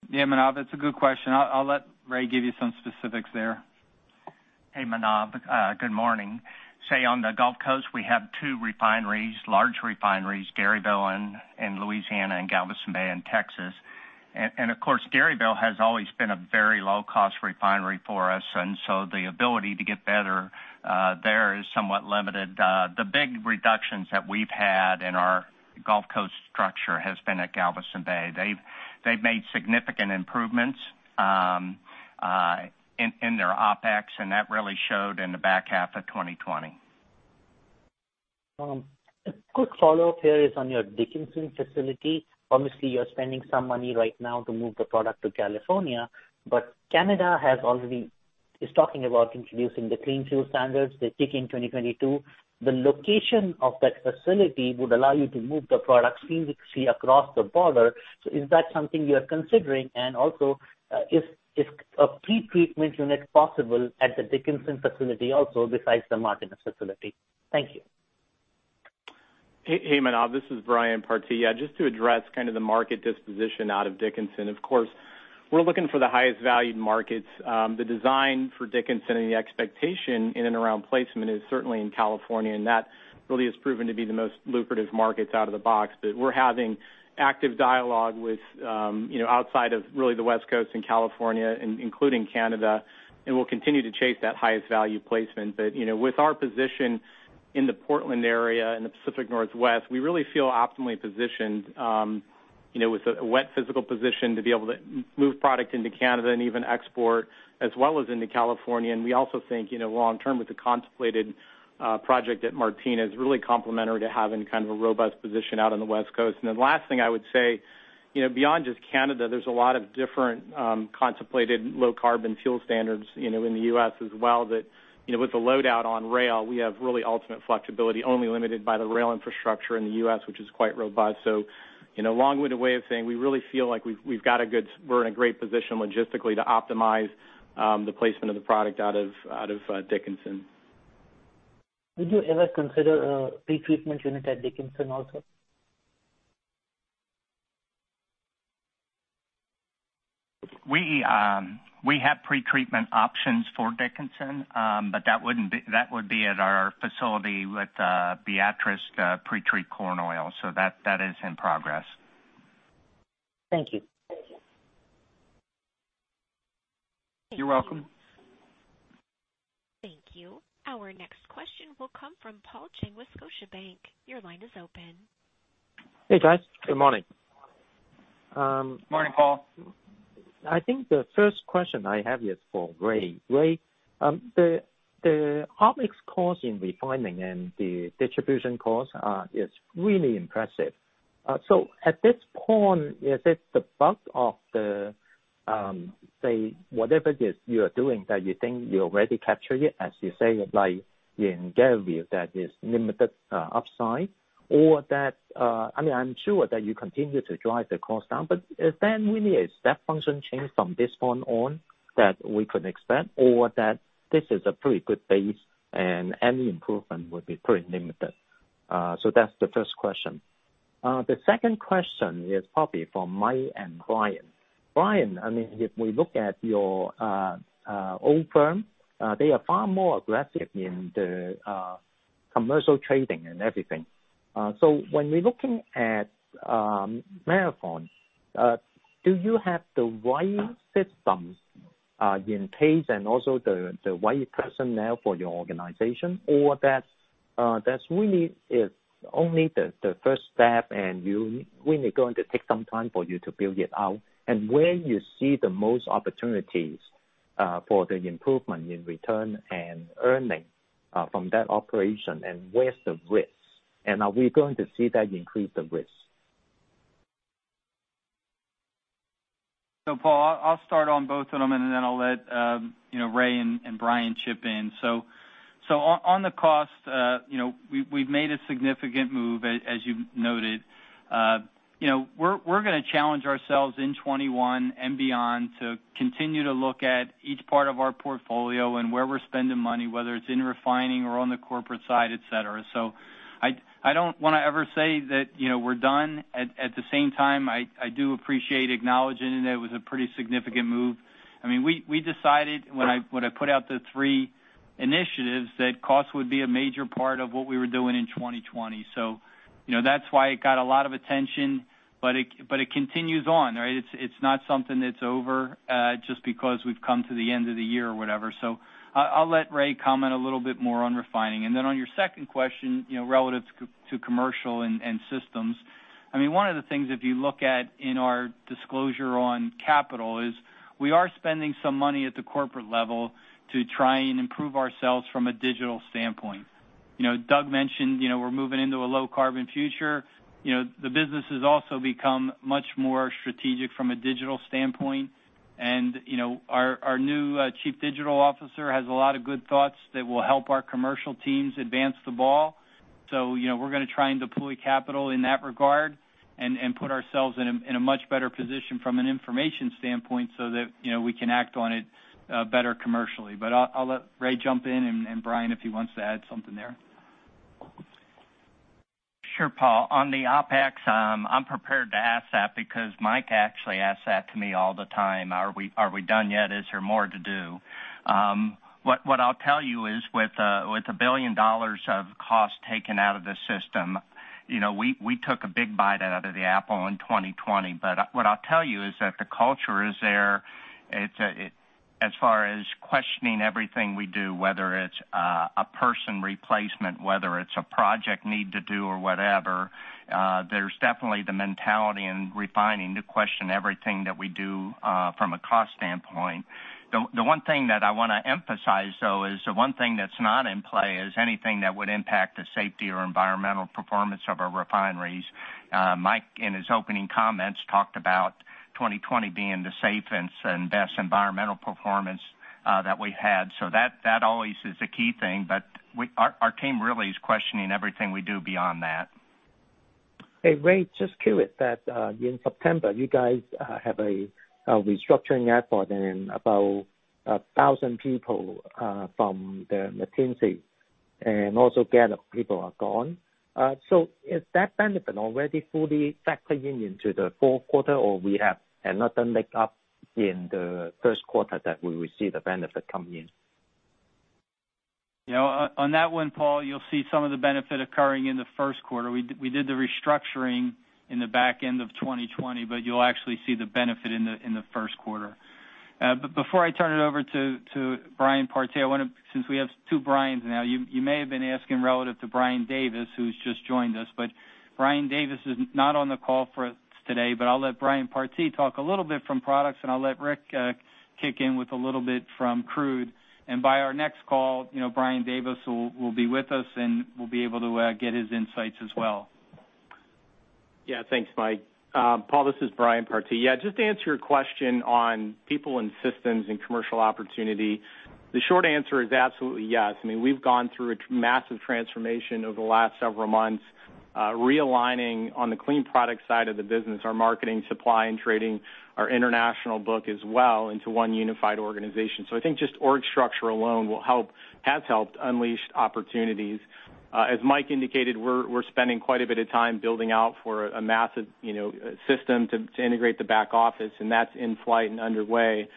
Yeah, Manav, that's a good question. I'll let Ray give you some specifics there. Hey, Manav. Good morning. On the Gulf Coast, we have two refineries, large refineries, Garyville in Louisiana and Galveston Bay in Texas. Of course, Garyville has always been a very low-cost refinery for us, and so the ability to get better there is somewhat limited. The big reductions that we've had in our Gulf Coast structure has been at Galveston Bay. They've made significant improvements in their OpEx, and that really showed in the back half of 2020. A quick follow-up here is on your Dickinson facility. Obviously, you're spending some money right now to move the product to California, but Canada is talking about introducing the Clean Fuel Regulations. They kick in 2022. The location of that facility would allow you to move the product seamlessly across the border. Is that something you are considering? Also, is a pretreatment unit possible at the Dickinson facility also besides the Martinez facility? Thank you. Hey, Manav, this is Brian Partee. Just to address kind of the market disposition out of Dickinson, of course, we're looking for the highest valued markets. The design for Dickinson and the expectation in and around placement is certainly in California, and that really has proven to be the most lucrative markets out of the box. We're having active dialogue with outside of really the West Coast and California, including Canada, and we'll continue to chase that highest value placement. With our position in the Portland area and the Pacific Northwest, we really feel optimally positioned with a wet physical position to be able to move product into Canada and even export as well as into California. We also think, long-term with the contemplated project at Martinez, really complementary to having kind of a robust position out on the West Coast. Last thing I would say, beyond just Canada, there's a lot of different contemplated low-carbon fuel standards in the U.S. as well that with the load out on rail, we have really ultimate flexibility only limited by the rail infrastructure in the U.S., which is quite robust. Long-winded way of saying we really feel like we're in a great position logistically to optimize the placement of the product out of Dickinson. Would you ever consider a pretreatment unit at Dickinson also? We have pretreatment options for Dickinson, but that would be at our facility with Beatrice pretreat corn oil, so that is in progress. Thank you. You're welcome. Thank you. Our next question will come from Paul Cheng with Scotiabank. Your line is open. Hey, guys. Good morning. Morning, Paul. I think the first question I have is for Ray. Ray, the OpEx cost in refining and the distribution cost is really impressive. At this point, is it the bulk of the, say, whatever it is you are doing that you think you already captured it, as you say, like in Gallup, that is limited upside? I'm sure that you continue to drive the cost down, but is there really a step function change from this point on that we can expect, or that this is a pretty good base and any improvement would be pretty limited? That's the first question. The second question is probably for Mike and Brian. Brian, if we look at your old firm, they are far more aggressive in the commercial trading and everything. When we're looking at Marathon, do you have the right systems in place and also the right personnel for your organization? That's really only the first step, and really going to take some time for you to build it out. Where you see the most opportunities for the improvement in return and earning from that operation, and where's the risks, and are we going to see that increase the risks? Paul, I'll start on both of them, and then I'll let Ray and Brian chip in. On the cost, we've made a significant move, as you've noted. We're going to challenge ourselves in 2021 and beyond to continue to look at each part of our portfolio and where we're spending money, whether it's in refining or on the corporate side, et cetera. I don't want to ever say that we're done. At the same time, I do appreciate acknowledging that it was a pretty significant move. We decided when I put out the three initiatives, that cost would be a major part of what we were doing in 2020. That's why it got a lot of attention, but it continues on, right? It's not something that's over just because we've come to the end of the year or whatever. I'll let Ray comment a little bit more on refining. Then on your second question, relative to commercial and systems. One of the things, if you look at in our disclosure on capital, is we are spending some money at the corporate level to try and improve ourselves from a digital standpoint. Doug mentioned we're moving into a low-carbon future. The business has also become much more strategic from a digital standpoint. Our new chief digital officer has a lot of good thoughts that will help our commercial teams advance the ball. We're going to try and deploy capital in that regard and put ourselves in a much better position from an information standpoint so that we can act on it better commercially. I'll let Ray jump in, and Brian, if he wants to add something there. Sure, Paul. On the OpEx, I'm prepared to ask that because Mike actually asks that to me all the time. Are we done yet? Is there more to do? What I'll tell you is with $1 billion of cost taken out of the system, we took a big bite out of the apple in 2020. What I'll tell you is that the culture is there as far as questioning everything we do, whether it's a person replacement, whether it's a project need to do or whatever. There's definitely the mentality in refining to question everything that we do from a cost standpoint. The one thing that I want to emphasize, though, is the one thing that's not in play is anything that would impact the safety or environmental performance of our refineries. Mike, in his opening comments, talked about 2020 being the safest and best environmental performance that we had. That always is a key thing, but our team really is questioning everything we do beyond that. Hey, Ray, just curious that in September, you guys have a restructuring effort and about 1,000 people from the Martinez and also Gallup people are gone. Is that benefit already fully factoring into the fourth quarter, or we have another make up in the first quarter that we will see the benefit coming in? On that one, Paul, you'll see some of the benefit occurring in the first quarter. We did the restructuring in the back end of 2020, but you'll actually see the benefit in the first quarter. Before I turn it over to Brian Partee, since we have two Brians now, you may have been asking relative to Brian Davis, who's just joined us. Brian Davis is not on the call for us today, but I'll let Brian Partee talk a little bit from products, and I'll let Rick kick in with a little bit from crude. By our next call, Brian Davis will be with us, and we'll be able to get his insights as well. Thanks, Mike. Paul, this is Brian Partee. Just to answer your question on people and systems and commercial opportunity, the short answer is absolutely yes. We've gone through a massive transformation over the last several months, realigning on the clean product side of the business, our marketing, supply, and trading, our international book as well into one unified organization. I think just org structure alone has helped unleash opportunities. As Mike indicated, we're spending quite a bit of time building out for a massive system to integrate the back office, and that's in flight and underway.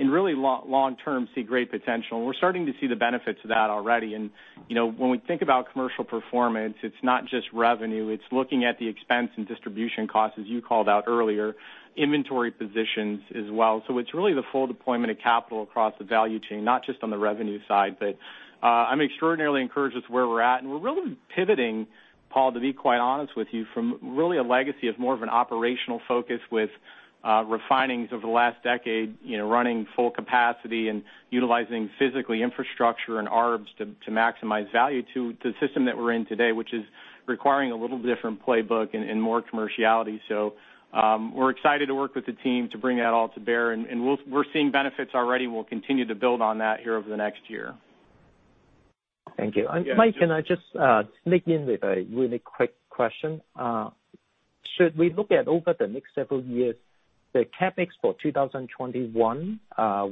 Really long-term see great potential. We're starting to see the benefits of that already. When we think about commercial performance, it's not just revenue, it's looking at the expense and distribution costs, as you called out earlier, inventory positions as well. It's really the full deployment of capital across the value chain, not just on the revenue side. I'm extraordinarily encouraged with where we're at. We're really pivoting, Paul, to be quite honest with you, from really a legacy of more of an operational focus with refining over the last decade, running full capacity and utilizing physical infrastructure and ARBs to maximize value to the system that we're in today, which is requiring a little different playbook and more commerciality. We're excited to work with the team to bring that all to bear, and we're seeing benefits already, and we'll continue to build on that here over the next year. Thank you. Mike, can I just sneak in with a really quick question? Should we look at over the next several years, the CapEx for 2021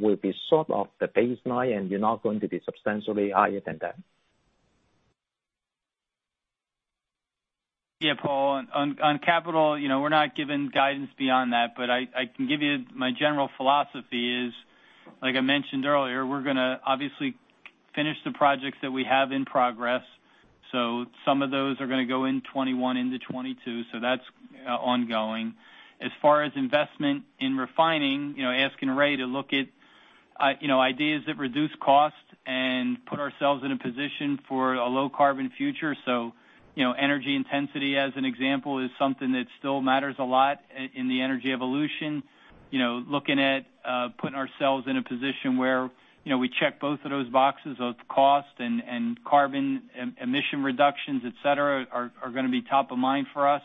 will be sort of the baseline, and you're not going to be substantially higher than that? Paul, on capital, we're not giving guidance beyond that, but I can give you my general philosophy is, like I mentioned earlier, we're going to obviously finish the projects that we have in progress. Some of those are going to go in 2021 into 2022, that's ongoing. As far as investment in refining, asking Ray to look at ideas that reduce cost and put ourselves in a position for a low-carbon future. Energy intensity, as an example, is something that still matters a lot in the energy evolution. Looking at putting ourselves in a position where we check both of those boxes, both cost and carbon emission reductions, et cetera, are going to be top of mind for us.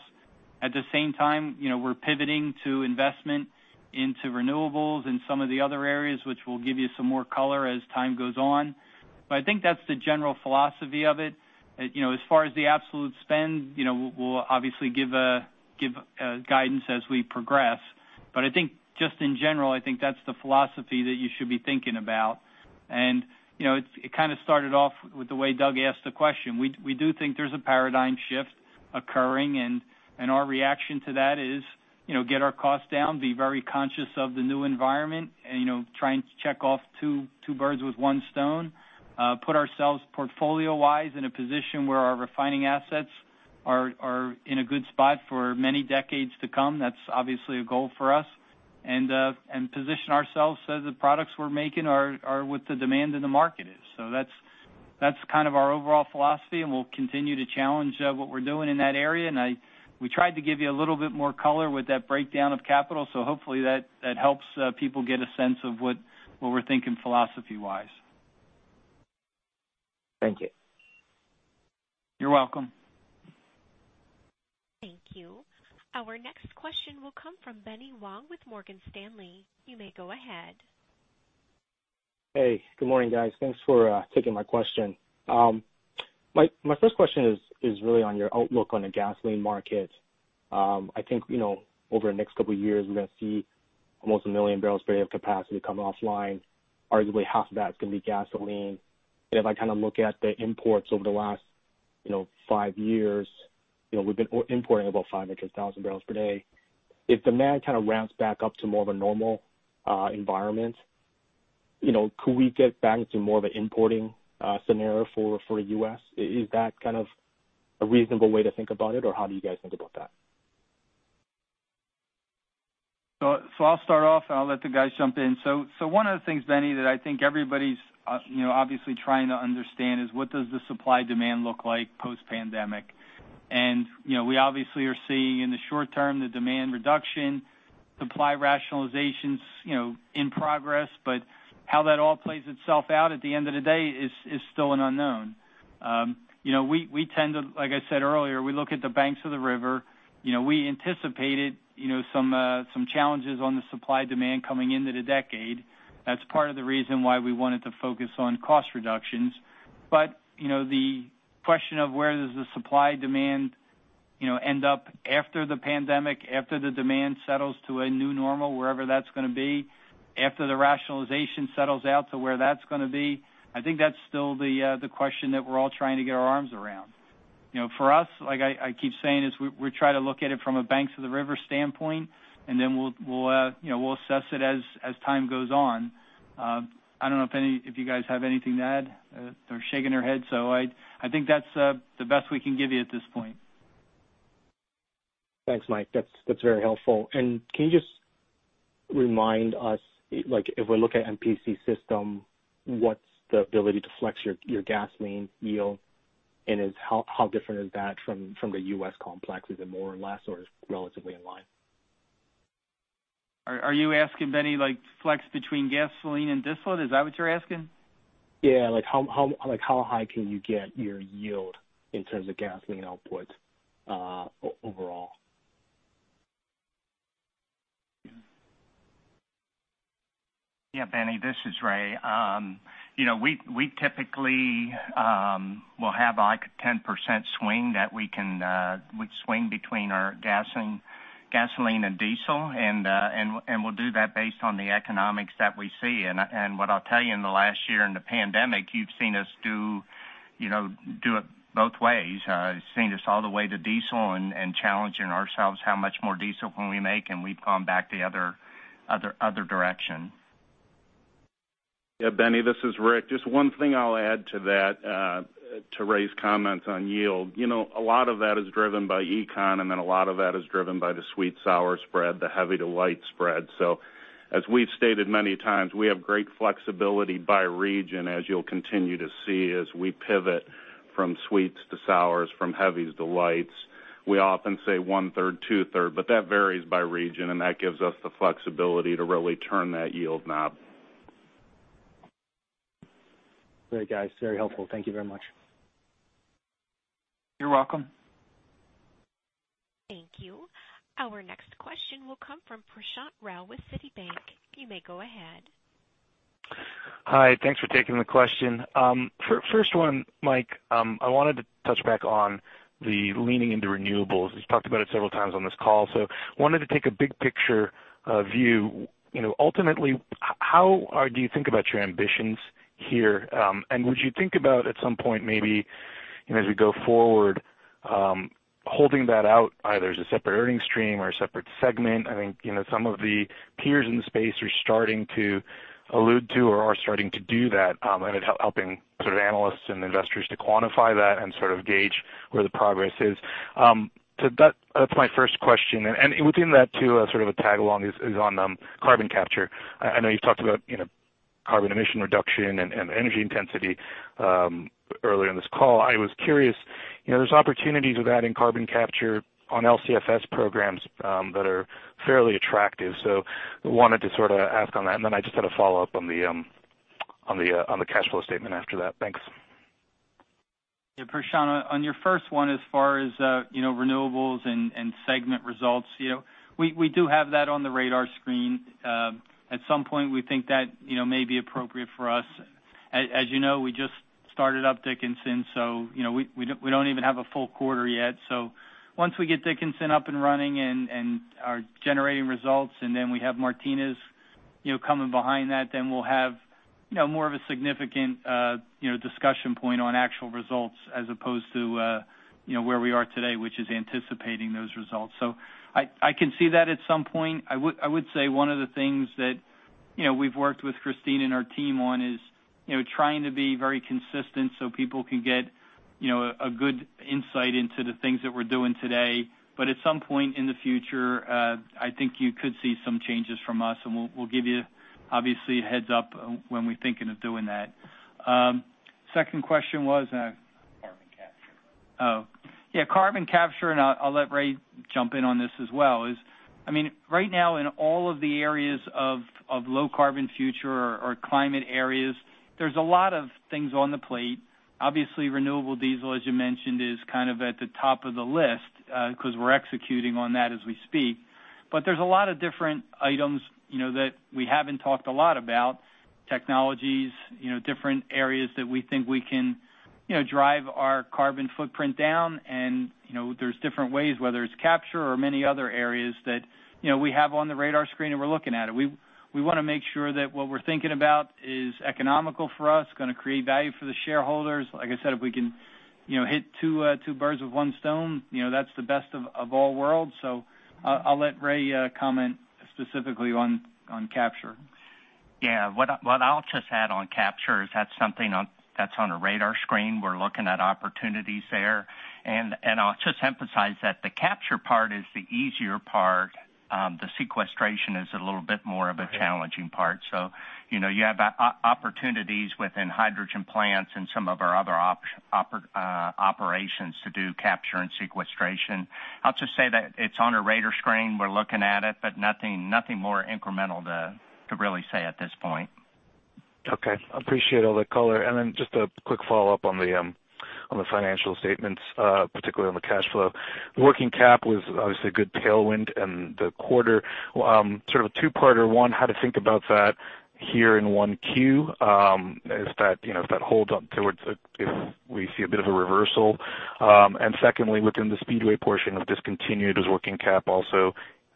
At the same time, we're pivoting to investment into renewables and some of the other areas, which we'll give you some more color as time goes on. I think that's the general philosophy of it. As far as the absolute spend, we'll obviously give guidance as we progress. I think just in general, I think that's the philosophy that you should be thinking about. It kind of started off with the way Doug asked the question. We do think there's a paradigm shift occurring, and our reaction to that is get our costs down, be very conscious of the new environment, and trying to check off two birds with one stone. Put ourselves, portfolio-wise, in a position where our refining assets are in a good spot for many decades to come. That's obviously a goal for us. Position ourselves so the products we're making are what the demand in the market is. That's kind of our overall philosophy, and we'll continue to challenge what we're doing in that area. We tried to give you a little bit more color with that breakdown of capital. Hopefully that helps people get a sense of what we're thinking philosophy-wise. Thank you. You're welcome. Thank you. Our next question will come from Benny Wong with Morgan Stanley. You may go ahead. Good morning, guys. Thanks for taking my question. My first question is really on your outlook on the gasoline market. I think over the next couple of years, we're going to see almost 1 million barrels per day of capacity come offline. Arguably, half of that is going to be gasoline. If I look at the imports over the last five years, we've been importing about 500,000 bbl per day. If demand kind of ramps back up to more of a normal environment, could we get back to more of an importing scenario for the U.S.? Is that kind of a reasonable way to think about it, or how do you guys think about that? I'll start off, and I'll let the guys jump in. One of the things, Benny, that I think everybody's obviously trying to understand is what does the supply-demand look like post-pandemic. We obviously are seeing in the short term, the demand reduction, supply rationalizations in progress. How that all plays itself out at the end of the day is still an unknown. Like I said earlier, we look at the banks of the river. We anticipated some challenges on the supply-demand coming into the decade. That's part of the reason why we wanted to focus on cost reductions. The question of where does the supply-demand end up after the pandemic, after the demand settles to a new normal, wherever that's going to be, after the rationalization settles out to where that's going to be, I think that's still the question that we're all trying to get our arms around. For us, like I keep saying, is we try to look at it from a banks of the river standpoint, and then we'll assess it as time goes on. I don't know if you guys have anything to add. They're shaking their heads. I think that's the best we can give you at this point. Thanks, Mike. That's very helpful. Can you just remind us, if we look at MPC system, what's the ability to flex your gasoline yield? How different is that from the U.S. complex? Is it more or less, or it's relatively in line? Are you asking Benny, like flex between gasoline and diesel? Is that what you're asking? Yeah. How high can you get your yield in terms of gasoline output overall? Yeah. Benny, this is Ray. We typically will have like a 10% swing that we swing between our gasoline and diesel. We'll do that based on the economics that we see. What I'll tell you in the last year in the pandemic, you've seen us do it both ways. Seeing us all the way to diesel and challenging ourselves how much more diesel can we make, and we've gone back the other direction. Yeah, Benny, this is Rick. Just one thing I'll add to that, to Ray's comments on yield. A lot of that is driven by econ and then a lot of that is driven by the sweet-sour spread, the heavy to light spread. As we've stated many times, we have great flexibility by region as you'll continue to see as we pivot from sweets to sours, from heavies to lights. We often say 1/3, 2/3, but that varies by region, and that gives us the flexibility to really turn that yield knob. Great, guys. Very helpful. Thank you very much. You're welcome. Thank you. Our next question will come from Prashant Rao with Citigroup. You may go ahead. Hi. Thanks for taking the question. First one, Mike, I wanted to touch back on the leaning into renewables. You've talked about it several times on this call, so wanted to take a big picture view. Ultimately, how do you think about your ambitions here? Would you think about, at some point maybe, as we go forward, holding that out either as a separate earnings stream or a separate segment? I think some of the peers in the space are starting to allude to or are starting to do that, and it helping sort of analysts and investors to quantify that and sort of gauge where the progress is. That's my first question. Within that, too, a sort of a tag-along, is on carbon capture. I know you've talked about carbon emission reduction and energy intensity earlier in this call. I was curious, there's opportunities with adding carbon capture on LCFS programs that are fairly attractive. Wanted to sort of ask on that. I just had a follow-up on the cash flow statement after that. Thanks. Yeah, Prashant, on your first one, as far as renewables and segment results, we do have that on the radar screen. At some point, we think that may be appropriate for us. As you know, we just started up Dickinson, so we don't even have a full quarter yet. Once we get Dickinson up and running and are generating results, and then we have Martinez coming behind that, then we'll have more of a significant discussion point on actual results as opposed to where we are today, which is anticipating those results. I can see that at some point. I would say one of the things that we've worked with Kristina and our team on is trying to be very consistent so people can get a good insight into the things that we're doing today. At some point in the future, I think you could see some changes from us, and we'll give you, obviously, a heads-up when we're thinking of doing that. Second question was? Carbon capture. Yeah, carbon capture, I'll let Ray jump in on this as well, is right now in all of the areas of low carbon future or climate areas, there's a lot of things on the plate. Obviously, renewable diesel, as you mentioned, is kind of at the top of the list because we're executing on that as we speak. There's a lot of different items that we haven't talked a lot about, technologies, different areas that we think we can drive our carbon footprint down, and there's different ways, whether it's capture or many other areas that we have on the radar screen and we're looking at it. We want to make sure that what we're thinking about is economical for us, going to create value for the shareholders. Like I said, if we can hit two birds with one stone, that's the best of all worlds. I'll let Ray comment specifically on capture. Yeah. What I'll just add on capture is that's something that's on a radar screen. We're looking at opportunities there. I'll just emphasize that the capture part is the easier part. The sequestration is a little bit more of a challenging part. You have opportunities within hydrogen plants and some of our other operations to do capture and sequestration. I'll just say that it's on a radar screen. We're looking at it, but nothing more incremental to really say at this point. Appreciate all the color. Just a quick follow-up on the financial statements, particularly on the cash flow. Working cap was obviously a good tailwind in the quarter. Sort of a two-parter. One, how to think about that here in 1Q. If that holds up towards if we see a bit of a reversal. Secondly, within the Speedway portion of discontinued, does working cap also,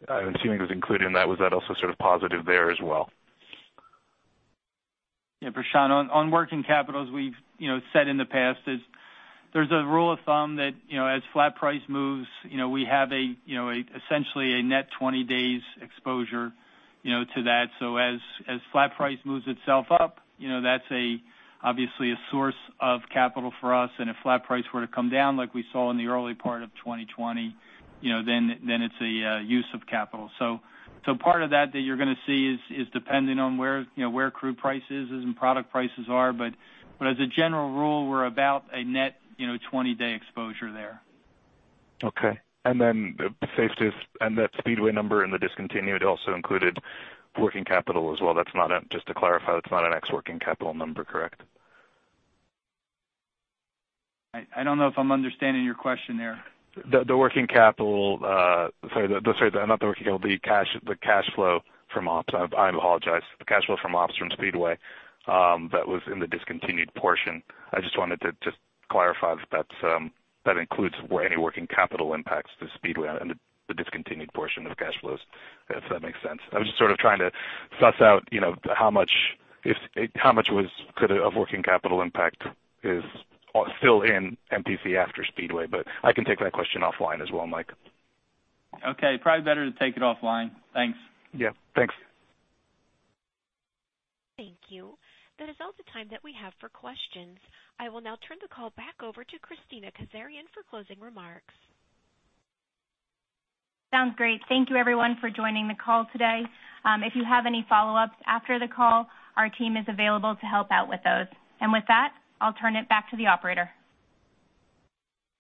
I'm assuming it was included in that. Was that also sort of positive there as well? Prashant, on working capital, as we've said in the past, there's a rule of thumb that as flat price moves, we have essentially a net 20 days exposure to that. As flat price moves itself up, that's obviously a source of capital for us, and if flat price were to come down like we saw in the early part of 2020, it's a use of capital. Part of that that you're going to see is dependent on where crude price is and product prices are. As a general rule, we're about a net 20-day exposure there. Okay. Safest, and that Speedway number in the discontinued also included working capital as well. Just to clarify, that's not an ex working capital number, correct? I don't know if I'm understanding your question there. Sorry, not the working capital, the cash flow from ops. I apologize. The cash flow from ops from Speedway that was in the discontinued portion. I just wanted to clarify if that includes any working capital impacts to Speedway and the discontinued portion of cash flows, if that makes sense. I'm just sort of trying to suss out how much of working capital impact is still in MPC after Speedway. I can take that question offline as well, Mike. Okay. Probably better to take it offline. Thanks. Yeah. Thanks. Thank you. That is all the time that we have for questions. I will now turn the call back over to Kristina Kazarian for closing remarks. Sounds great. Thank you everyone for joining the call today. If you have any follow-ups after the call, our team is available to help out with those. With that, I'll turn it back to the operator.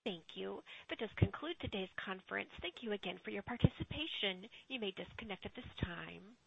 Thank you. That does conclude today's conference. Thank you again for your participation. You may disconnect at this time.